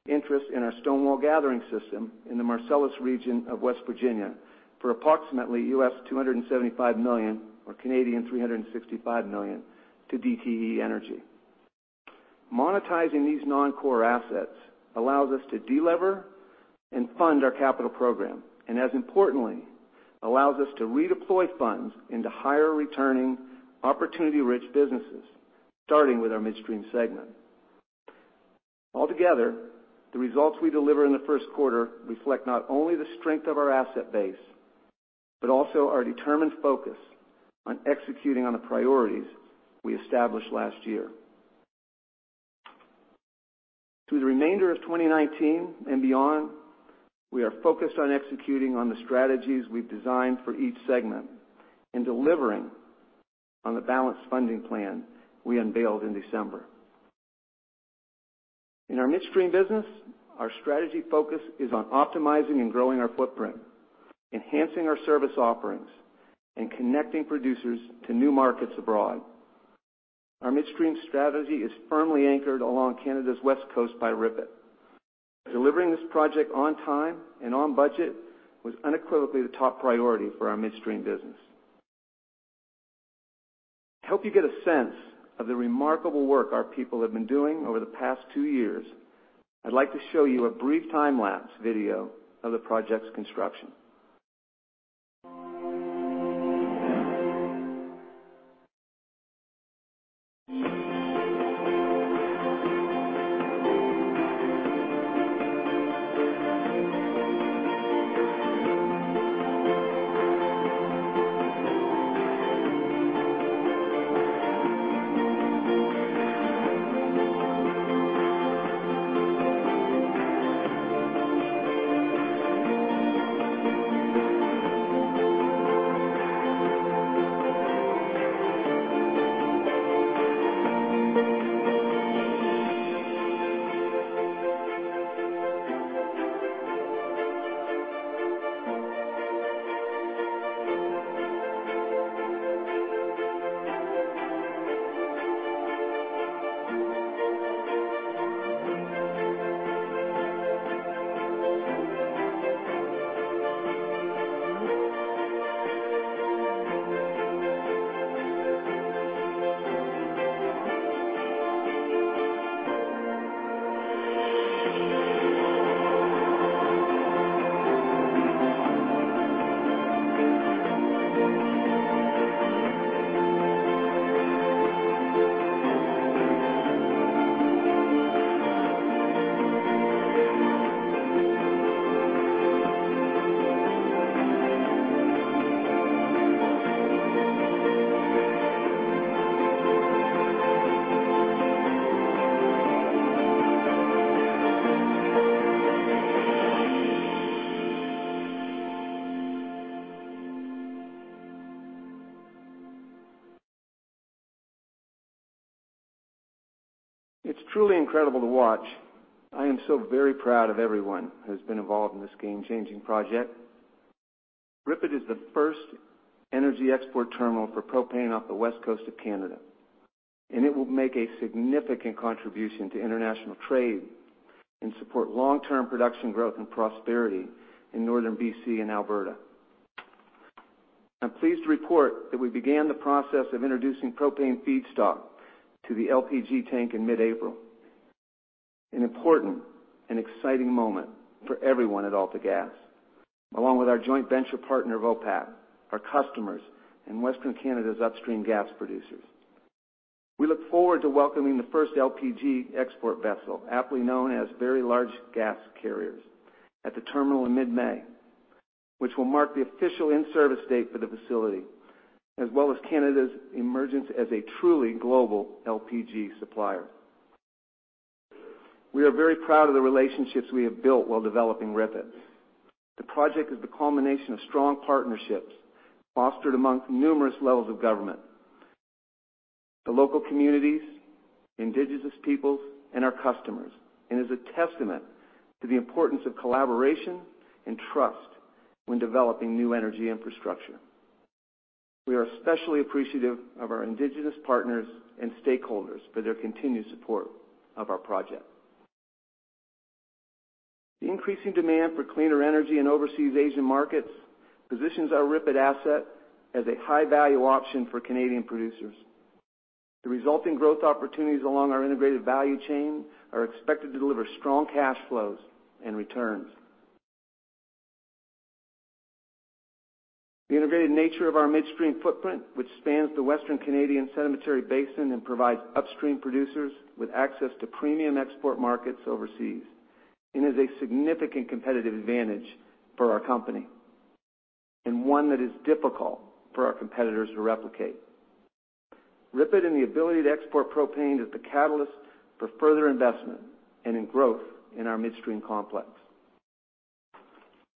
interest in our Stonewall gathering system in the Marcellus region of West Virginia for approximately U.S. $275 million or 365 million Canadian dollars to DTE Energy. Monetizing these non-core assets allows us to de-lever and fund our capital program, and as importantly, allows us to redeploy funds into higher returning opportunity-rich businesses, starting with our Midstream segment. Altogether, the results we deliver in the first quarter reflect not only the strength of our asset base, but also our determined focus on executing on the priorities we established last year. Through the remainder of 2019 and beyond, we are focused on executing on the strategies we've designed for each segment and delivering on the balanced funding plan we unveiled in December. In our Midstream business, our strategy focus is on optimizing and growing our footprint, enhancing our service offerings, and connecting producers to new markets abroad. Our Midstream strategy is firmly anchored along Canada's west coast by RIPET. Delivering this project on time and on budget was unequivocally the top priority for our Midstream business. To help you get a sense of the remarkable work our people have been doing over the past two years, I'd like to show you a brief time-lapse video of the project's construction. It's truly incredible to watch. I am so very proud of everyone who's been involved in this game-changing project. RIPET is the first energy export terminal for propane off the West Coast of Canada, and it will make a significant contribution to international trade and support long-term production growth and prosperity in Northern B.C. and Alberta. I'm pleased to report that we began the process of introducing propane feedstock to the LPG tank in mid-April, an important and exciting moment for everyone at AltaGas, along with our joint venture partner, Vopak, our customers in Western Canada's upstream gas producers. We look forward to welcoming the first LPG export vessel, aptly known as very large gas carriers, at the terminal in mid-May, which will mark the official in-service date for the facility, as well as Canada's emergence as a truly global LPG supplier. We are very proud of the relationships we have built while developing RIPET. The project is the culmination of strong partnerships fostered amongst numerous levels of government, the local communities, Indigenous peoples, and our customers, and is a testament to the importance of collaboration and trust when developing new energy infrastructure. We are especially appreciative of our Indigenous partners and stakeholders for their continued support of our project. The increasing demand for cleaner energy in overseas Asian markets positions our RIPET asset as a high-value option for Canadian producers. The resulting growth opportunities along our integrated value chain are expected to deliver strong cash flows and returns. The integrated nature of our midstream footprint, which spans the Western Canadian Sedimentary Basin and provides upstream producers with access to premium export markets overseas, is a significant competitive advantage for our company, one that is difficult for our competitors to replicate. RIPET and the ability to export propane is the catalyst for further investment and in growth in our midstream complex.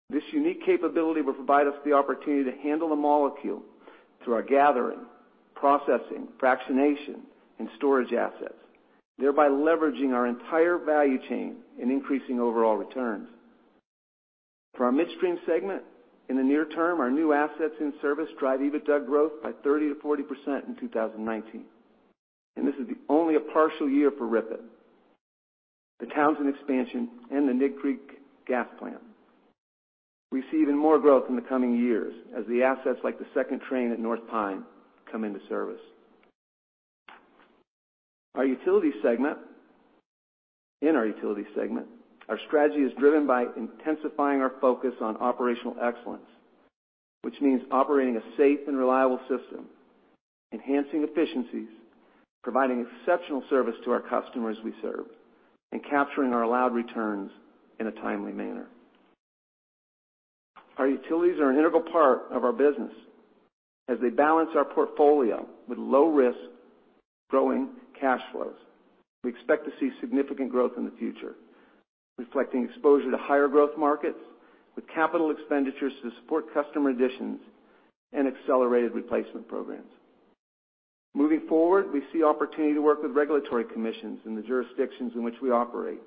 This unique capability will provide us the opportunity to handle a molecule through our gathering, processing, fractionation, and storage assets, thereby leveraging our entire value chain and increasing overall returns. For our midstream segment, in the near term, our new assets in service drive EBITDA growth by 30%-40% in 2019. This is only a partial year for RIPET. The Townsend expansion and the Nig Creek gas plant. We see even more growth in the coming years as the assets like the second train at North Pine come into service. In our utility segment, our strategy is driven by intensifying our focus on operational excellence, which means operating a safe and reliable system, enhancing efficiencies, providing exceptional service to our customers we serve, and capturing our allowed returns in a timely manner. Our utilities are an integral part of our business as they balance our portfolio with low risk, growing cash flows. We expect to see significant growth in the future, reflecting exposure to higher growth markets with capital expenditures to support customer additions and accelerated replacement programs. Moving forward, we see opportunity to work with regulatory commissions in the jurisdictions in which we operate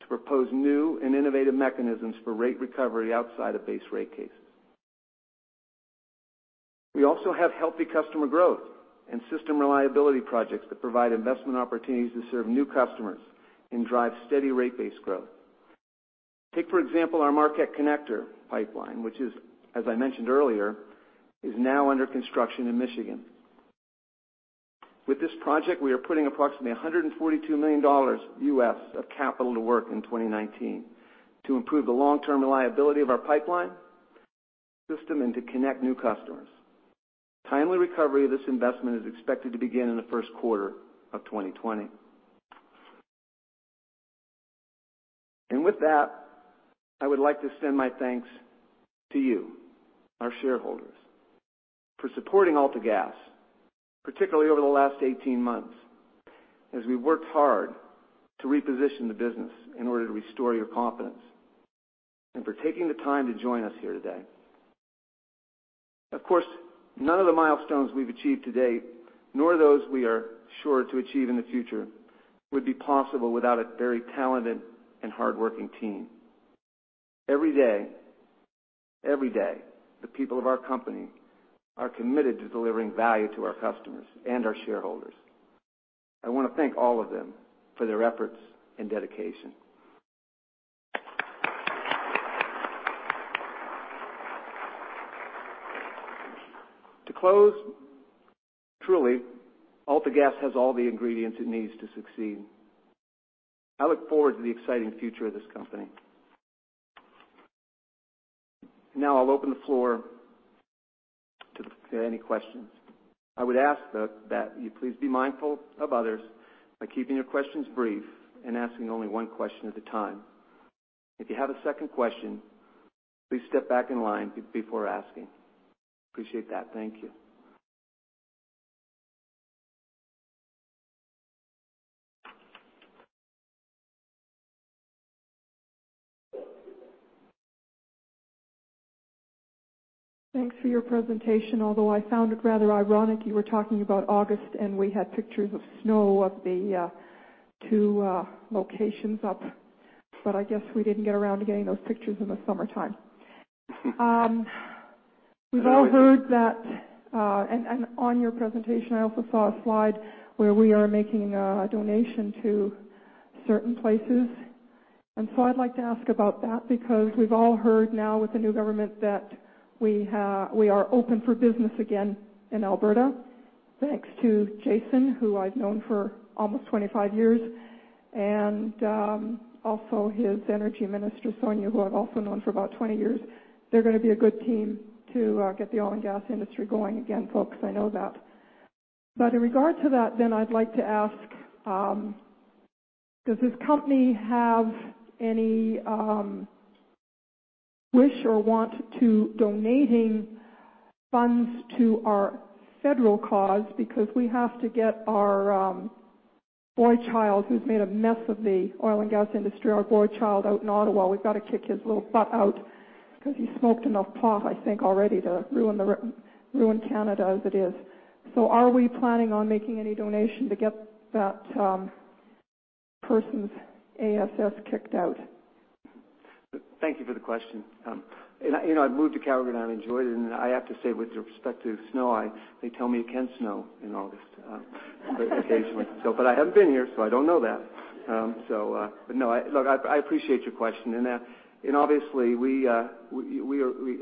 to propose new and innovative mechanisms for rate recovery outside of base rate cases. We also have healthy customer growth and system reliability projects that provide investment opportunities to serve new customers and drive steady rate base growth. Take, for example, our Marquette Connector Pipeline, which, as I mentioned earlier, is now under construction in Michigan. With this project, we are putting approximately $142 million of capital to work in 2019 to improve the long-term reliability of our pipeline system and to connect new customers. Timely recovery of this investment is expected to begin in the first quarter of 2020. With that, I would like to extend my thanks to you, our shareholders, for supporting AltaGas, particularly over the last 18 months as we worked hard to reposition the business in order to restore your confidence and for taking the time to join us here today. Of course, none of the milestones we've achieved to date, nor those we are sure to achieve in the future, would be possible without a very talented and hardworking team. Every day, the people of our company are committed to delivering value to our customers and our shareholders. I want to thank all of them for their efforts and dedication. To close, truly, AltaGas has all the ingredients it needs to succeed. I look forward to the exciting future of this company. Now I'll open the floor to any questions. I would ask that you please be mindful of others by keeping your questions brief and asking only one question at a time. If you have a second question, please step back in line before asking. Appreciate that. Thank you. Thanks for your presentation. I found it rather ironic you were talking about August, and we had pictures of snow of the 2 locations up, but I guess we didn't get around to getting those pictures in the summertime. We've all heard that. On your presentation, I also saw a slide where we are making a donation to certain places, so I'd like to ask about that. We've all heard now with the new government that we are open for business again in Alberta. Thanks to Jason, who I've known for almost 25 years, and also his energy minister, Sonya, who I've also known for about 20 years. They're going to be a good team to get the oil and gas industry going again, folks. I know that. In regard to that, I'd like to ask, does this company have any wish or want to donating funds to our federal cause? We have to get our boy child, who's made a mess of the oil and gas industry, our boy child out in Ottawa. We've got to kick his little butt out because he's smoked enough pot, I think, already to ruin Canada as it is. Are we planning on making any donation to get that person's ASS kicked out? Thank you for the question. I've moved to Calgary and I enjoyed it. I have to say with respect to snow, they tell me it can snow in August occasionally. I haven't been here, so I don't know that. Look, I appreciate your question and obviously,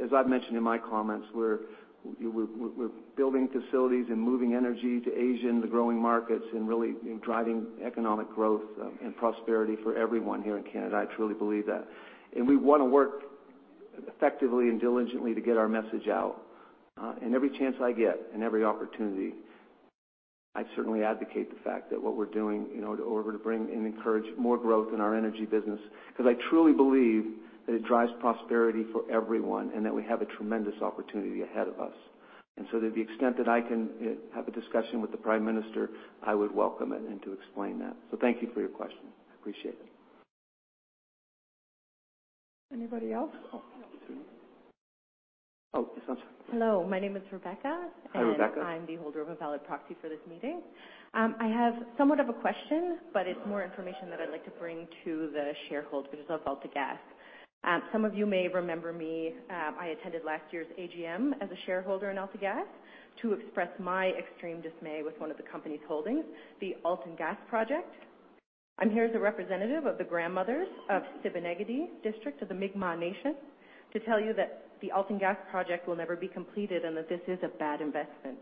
as I've mentioned in my comments, we're building facilities and moving energy to Asia and the growing markets, and really driving economic growth and prosperity for everyone here in Canada. I truly believe that. We want to work effectively and diligently to get our message out. Every chance I get and every opportunity, I'd certainly advocate the fact that what we're doing in order to bring and encourage more growth in our energy business, because I truly believe that it drives prosperity for everyone, and that we have a tremendous opportunity ahead of us. To the extent that I can have a discussion with the Prime Minister, I would welcome it and to explain that. Thank you for your question. I appreciate it. Anybody else? Hello, my name is Rebecca. Hi, Rebecca. I'm the holder of a valid proxy for this meeting. I have somewhat of a question, but it's more information that I'd like to bring to the shareholders of AltaGas. Some of you may remember me. I attended last year's AGM as a shareholder in AltaGas to express my extreme dismay with one of the company's holdings, the Alton Gas Project. I'm here as a representative of the grandmothers of Sipekne'katik district of the Mi'kmaw Nation, to tell you that the Alton Gas Project will never be completed and that this is a bad investment.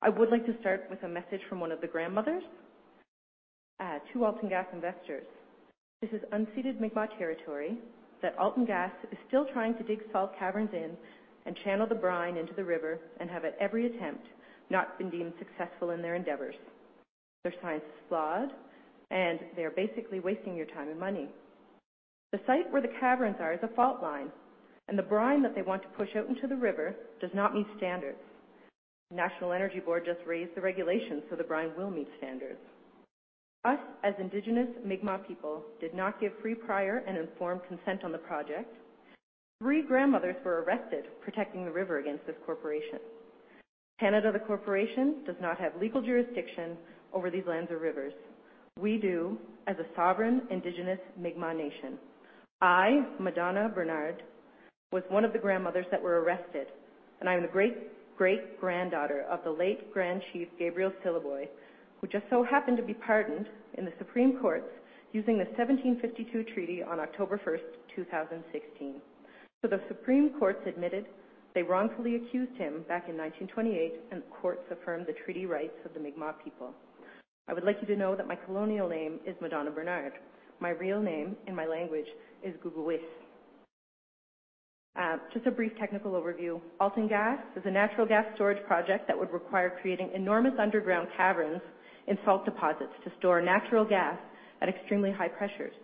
I would like to start with a message from one of the grandmothers to Alton Gas investors. This is unceded Mi'kmaw territory that Alton Gas is still trying to dig salt caverns in and channel the brine into the river, and have at every attempt, not been deemed successful in their endeavors. Their science is flawed, they are basically wasting your time and money. The site where the caverns are is a fault line, and the brine that they want to push out into the river does not meet standards. The National Energy Board just raised the regulations so the brine will meet standards. Us, as indigenous Mi'kmaw people, did not give free, prior, and informed consent on the project. Three grandmothers were arrested protecting the river against this corporation. Canada, the corporation, does not have legal jurisdiction over these lands or rivers. We do as a sovereign indigenous Mi'kmaw Nation. I, Madonna Bernard, was one of the grandmothers that were arrested, and I am the great great granddaughter of the late Grand Chief Gabriel Sylliboy, who just so happened to be pardoned in the Supreme Court using the Treaty of 1752 on October 1st, 2016. The Supreme Court admitted they wrongfully accused him back in 1928, the courts affirmed the treaty rights of the Mi'kmaw people. I would like you to know that my colonial name is Madonna Bernard. My real name in my language is Just a brief technical overview. Alton Gas is a natural gas storage project that would require creating enormous underground caverns in salt deposits to store natural gas at extremely high pressures.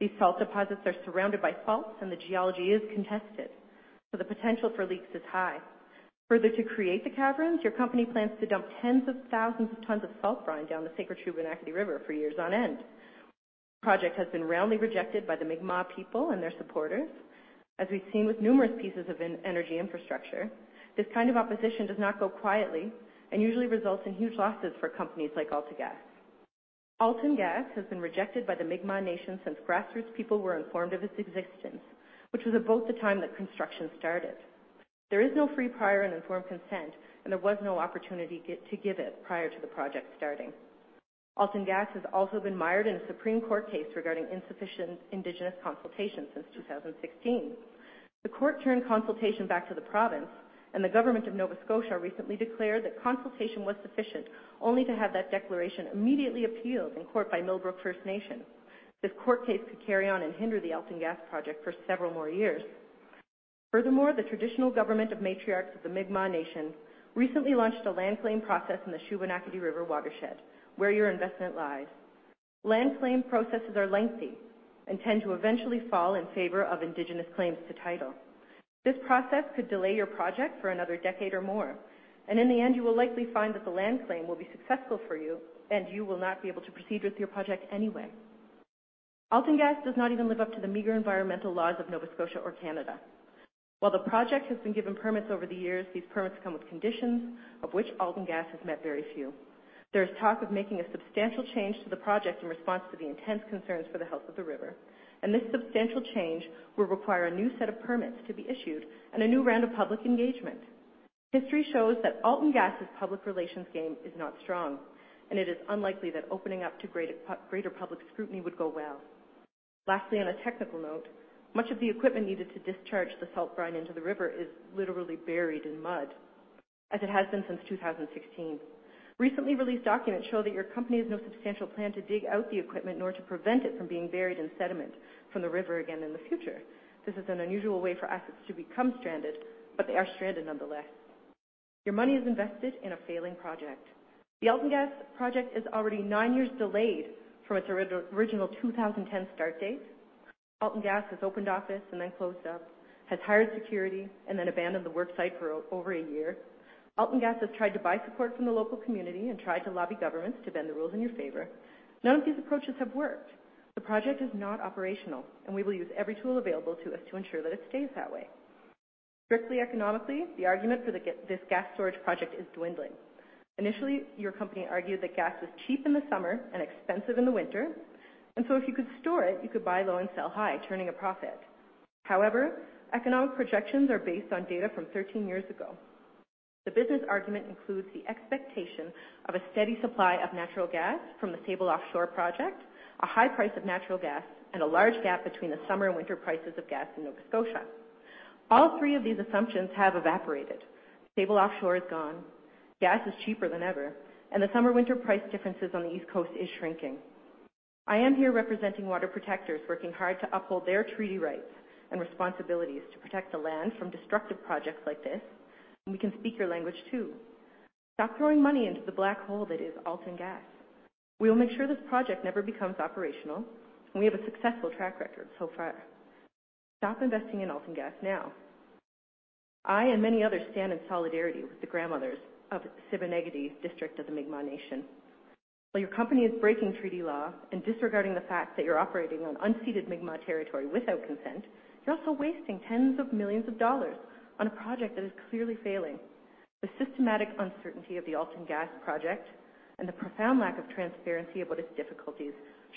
These salt deposits are surrounded by faults, and the geology is contested, so the potential for leaks is high. Further, to create the caverns, your company plans to dump tens of thousands of tons of salt brine down the sacred Shubenacadie River for years on end. The project has been roundly rejected by the Mi'kmaw people and their supporters. As we've seen with numerous pieces of energy infrastructure, this kind of opposition does not go quietly and usually results in huge losses for companies like AltaGas. Alton Gas has been rejected by the Mi'kmaw Nation since grassroots people were informed of its existence, which was about the time that construction started. There is no free, prior, and informed consent, there was no opportunity to give it prior to the project starting. Alton Gas has also been mired in a Supreme Court case regarding insufficient indigenous consultation since 2016. The court turned consultation back to the province, the government of Nova Scotia recently declared that consultation was sufficient, only to have that declaration immediately appealed in court by Millbrook First Nation. This court case could carry on and hinder the Alton Gas project for several more years. Furthermore, the traditional government of matriarchs of the Mi'kmaw Nation recently launched a land claim process in the Shubenacadie River watershed, where your investment lies. Land claim processes are lengthy and tend to eventually fall in favor of indigenous claims to title. This process could delay your project for another decade or more, and in the end, you will likely find that the land claim will be successful for you, and you will not be able to proceed with your project anyway. Alton Gas does not even live up to the meager environmental laws of Nova Scotia or Canada. While the project has been given permits over the years, these permits come with conditions, of which Alton Gas has met very few. There is talk of making a substantial change to the project in response to the intense concerns for the health of the river. This substantial change will require a new set of permits to be issued and a new round of public engagement. History shows that Alton Gas' public relations game is not strong. It is unlikely that opening up to greater public scrutiny would go well. Lastly, on a technical note, much of the equipment needed to discharge the salt brine into the river is literally buried in mud, as it has been since 2016. Recently released documents show that your company has no substantial plan to dig out the equipment, nor to prevent it from being buried in sediment from the river again in the future. This is an unusual way for assets to become stranded, but they are stranded nonetheless. Your money is invested in a failing project. The AltaGas project is already nine years delayed from its original 2010 start date. AltaGas has opened office and then closed up, has hired security, and then abandoned the work site for over a year. AltaGas has tried to buy support from the local community and tried to lobby governments to bend the rules in your favor. None of these approaches have worked. The project is not operational. We will use every tool available to us to ensure that it stays that way. Strictly economically, the argument for this gas storage project is dwindling. Initially, your company argued that gas was cheap in the summer and expensive in the winter. If you could store it, you could buy low and sell high, turning a profit. However, economic projections are based on data from 13 years ago. The business argument includes the expectation of a steady supply of natural gas from the Sable Offshore project, a high price of natural gas, and a large gap between the summer and winter prices of gas in Nova Scotia. All three of these assumptions have evaporated. Sable Offshore is gone. Gas is cheaper than ever. The summer-winter price differences on the East Coast is shrinking. I am here representing water protectors working hard to uphold their treaty rights and responsibilities to protect the land from destructive projects like this. We can speak your language, too. Stop throwing money into the black hole that is AltaGas. We will make sure this project never becomes operational. We have a successful track record so far. Stop investing in AltaGas now. I and many others stand in solidarity with the grandmothers of Sipekne'katik district of the Mi'kmaw Nation. While your company is breaking treaty law and disregarding the fact that you're operating on unceded Mi'kmaw territory without consent, you're also wasting CAD tens of millions of dollars on a project that is clearly failing. The systematic uncertainty of the AltaGas project and the profound lack of transparency about its difficulties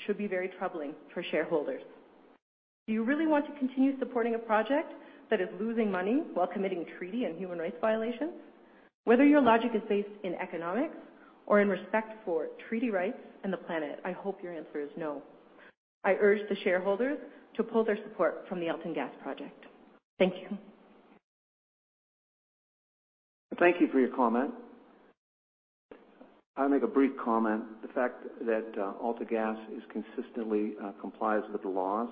should be very troubling for shareholders. Do you really want to continue supporting a project that is losing money while committing treaty and human rights violations? Whether your logic is based in economics or in respect for treaty rights and the planet, I hope your answer is no. I urge the shareholders to pull their support from the AltaGas project. Thank you. Thank you for your comment. I'll make a brief comment. The fact that AltaGas is consistently complies with the laws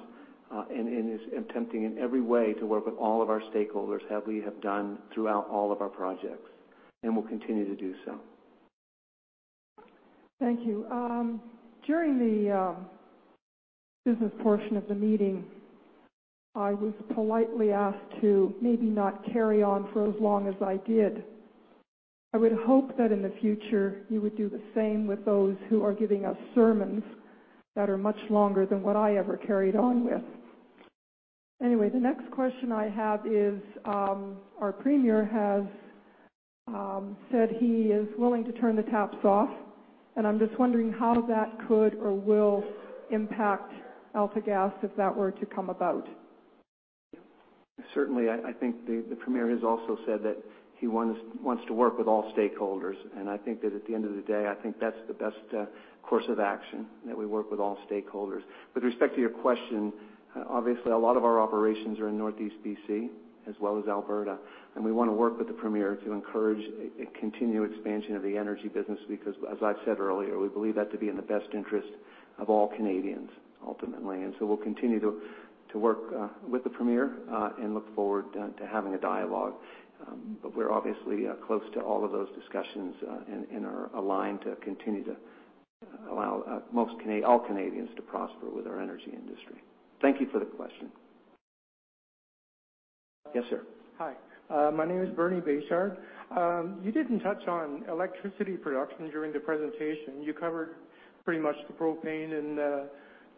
and is attempting in every way to work with all of our stakeholders, as we have done throughout all of our projects, and will continue to do so. Thank you. During the business portion of the meeting, I was politely asked to maybe not carry on for as long as I did. I would hope that in the future, you would do the same with those who are giving us sermons that are much longer than what I ever carried on with. Anyway, the next question I have is, our premier has said he is willing to turn the taps off. I'm just wondering how that could or will impact AltaGas if that were to come about. Certainly, I think the premier has also said that he wants to work with all stakeholders, I think that at the end of the day, I think that's the best course of action, that we work with all stakeholders. With respect to your question, obviously, a lot of our operations are in Northeast B.C. as well as Alberta, we want to work with the premier to encourage a continued expansion of the energy business because, as I've said earlier, we believe that to be in the best interest of all Canadians, ultimately. We'll continue to work with the premier, and look forward to having a dialogue. We're obviously close to all of those discussions, and are aligned to continue to allow all Canadians to prosper with our energy industry. Thank you for the question. Yes, sir. My name is Bernie Bashard. You didn't touch on electricity production during the presentation. You covered pretty much the propane and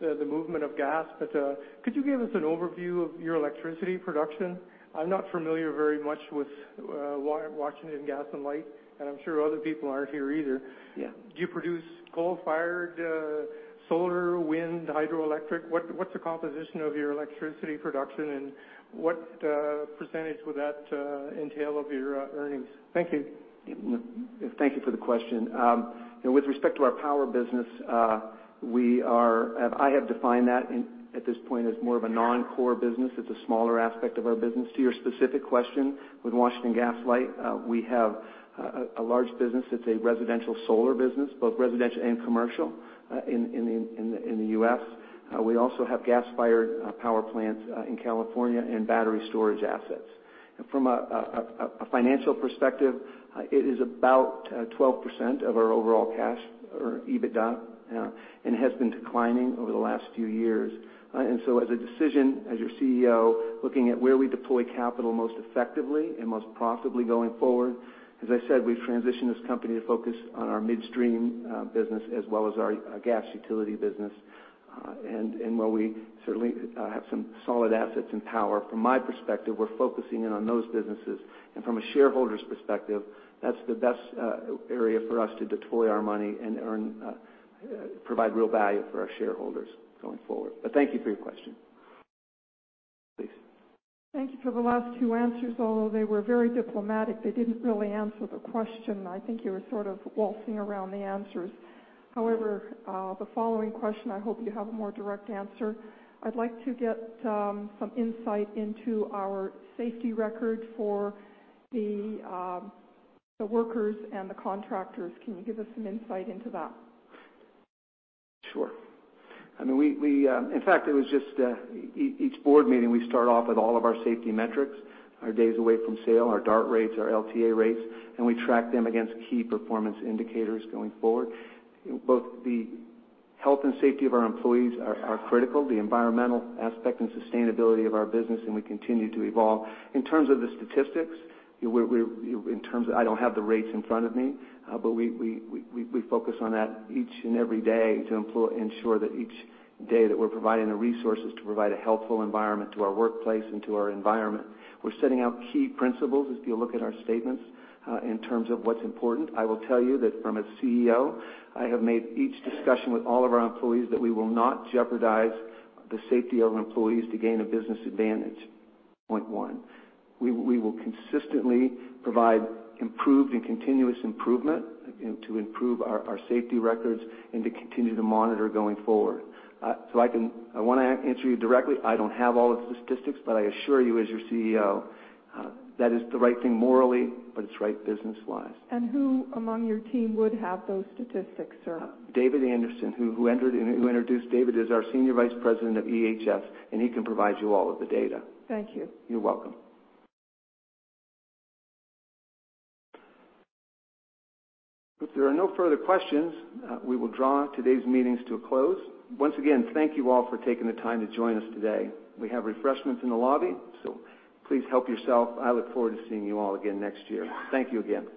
the movement of gas. Could you give us an overview of your electricity production? I'm not familiar very much with Washington Gas Light Company, and I'm sure other people aren't here either. Yeah. Do you produce coal-fired, solar, wind, hydroelectric? What's the composition of your electricity production, and what % would that entail of your earnings? Thank you. Thank you for the question. With respect to our power business, I have defined that at this point as more of a non-core business. It's a smaller aspect of our business. To your specific question, with Washington Gas Light, we have a large business that's a residential solar business, both residential and commercial in the U.S. We also have gas-fired power plants in California and battery storage assets. From a financial perspective, it is about 12% of our overall cash or EBITDA and has been declining over the last few years. As a decision, as your CEO, looking at where we deploy capital most effectively and most profitably going forward, as I said, we've transitioned this company to focus on our midstream business as well as our gas utility business. While we certainly have some solid assets in power, from my perspective, we're focusing in on those businesses. From a shareholder's perspective, that's the best area for us to deploy our money and provide real value for our shareholders going forward. Thank you for your question. Please. Thank you for the last two answers, although they were very diplomatic, they didn't really answer the question. I think you were sort of waltzing around the answers. The following question, I hope you have a more direct answer. I'd like to get some insight into our safety record for the workers and the contractors. Can you give us some insight into that? Sure. In fact, each board meeting, we start off with all of our safety metrics, our days away from work, our DART rates, our LTA rates. We track them against key performance indicators going forward. Both the health and safety of our employees are critical, the environmental aspect and sustainability of our business. We continue to evolve. In terms of the statistics, I don't have the rates in front of me. We focus on that each and every day to ensure that each day that we're providing the resources to provide a healthful environment to our workplace and to our environment. We're setting out key principles, if you look at our statements, in terms of what's important. I will tell you that from a CEO, I have made each discussion with all of our employees that we will not jeopardize the safety of employees to gain a business advantage, point one. We will consistently provide improved and continuous improvement to improve our safety records and to continue to monitor going forward. I want to answer you directly. I don't have all the statistics. I assure you as your CEO, that is the right thing morally. It's right business-wise. Who among your team would have those statistics, sir? David Anderson, who introduced David, is our Senior Vice President of EHS, and he can provide you all of the data. Thank you. You're welcome. If there are no further questions, we will draw today's meetings to a close. Once again, thank you all for taking the time to join us today. We have refreshments in the lobby, so please help yourself. I look forward to seeing you all again next year. Thank you again.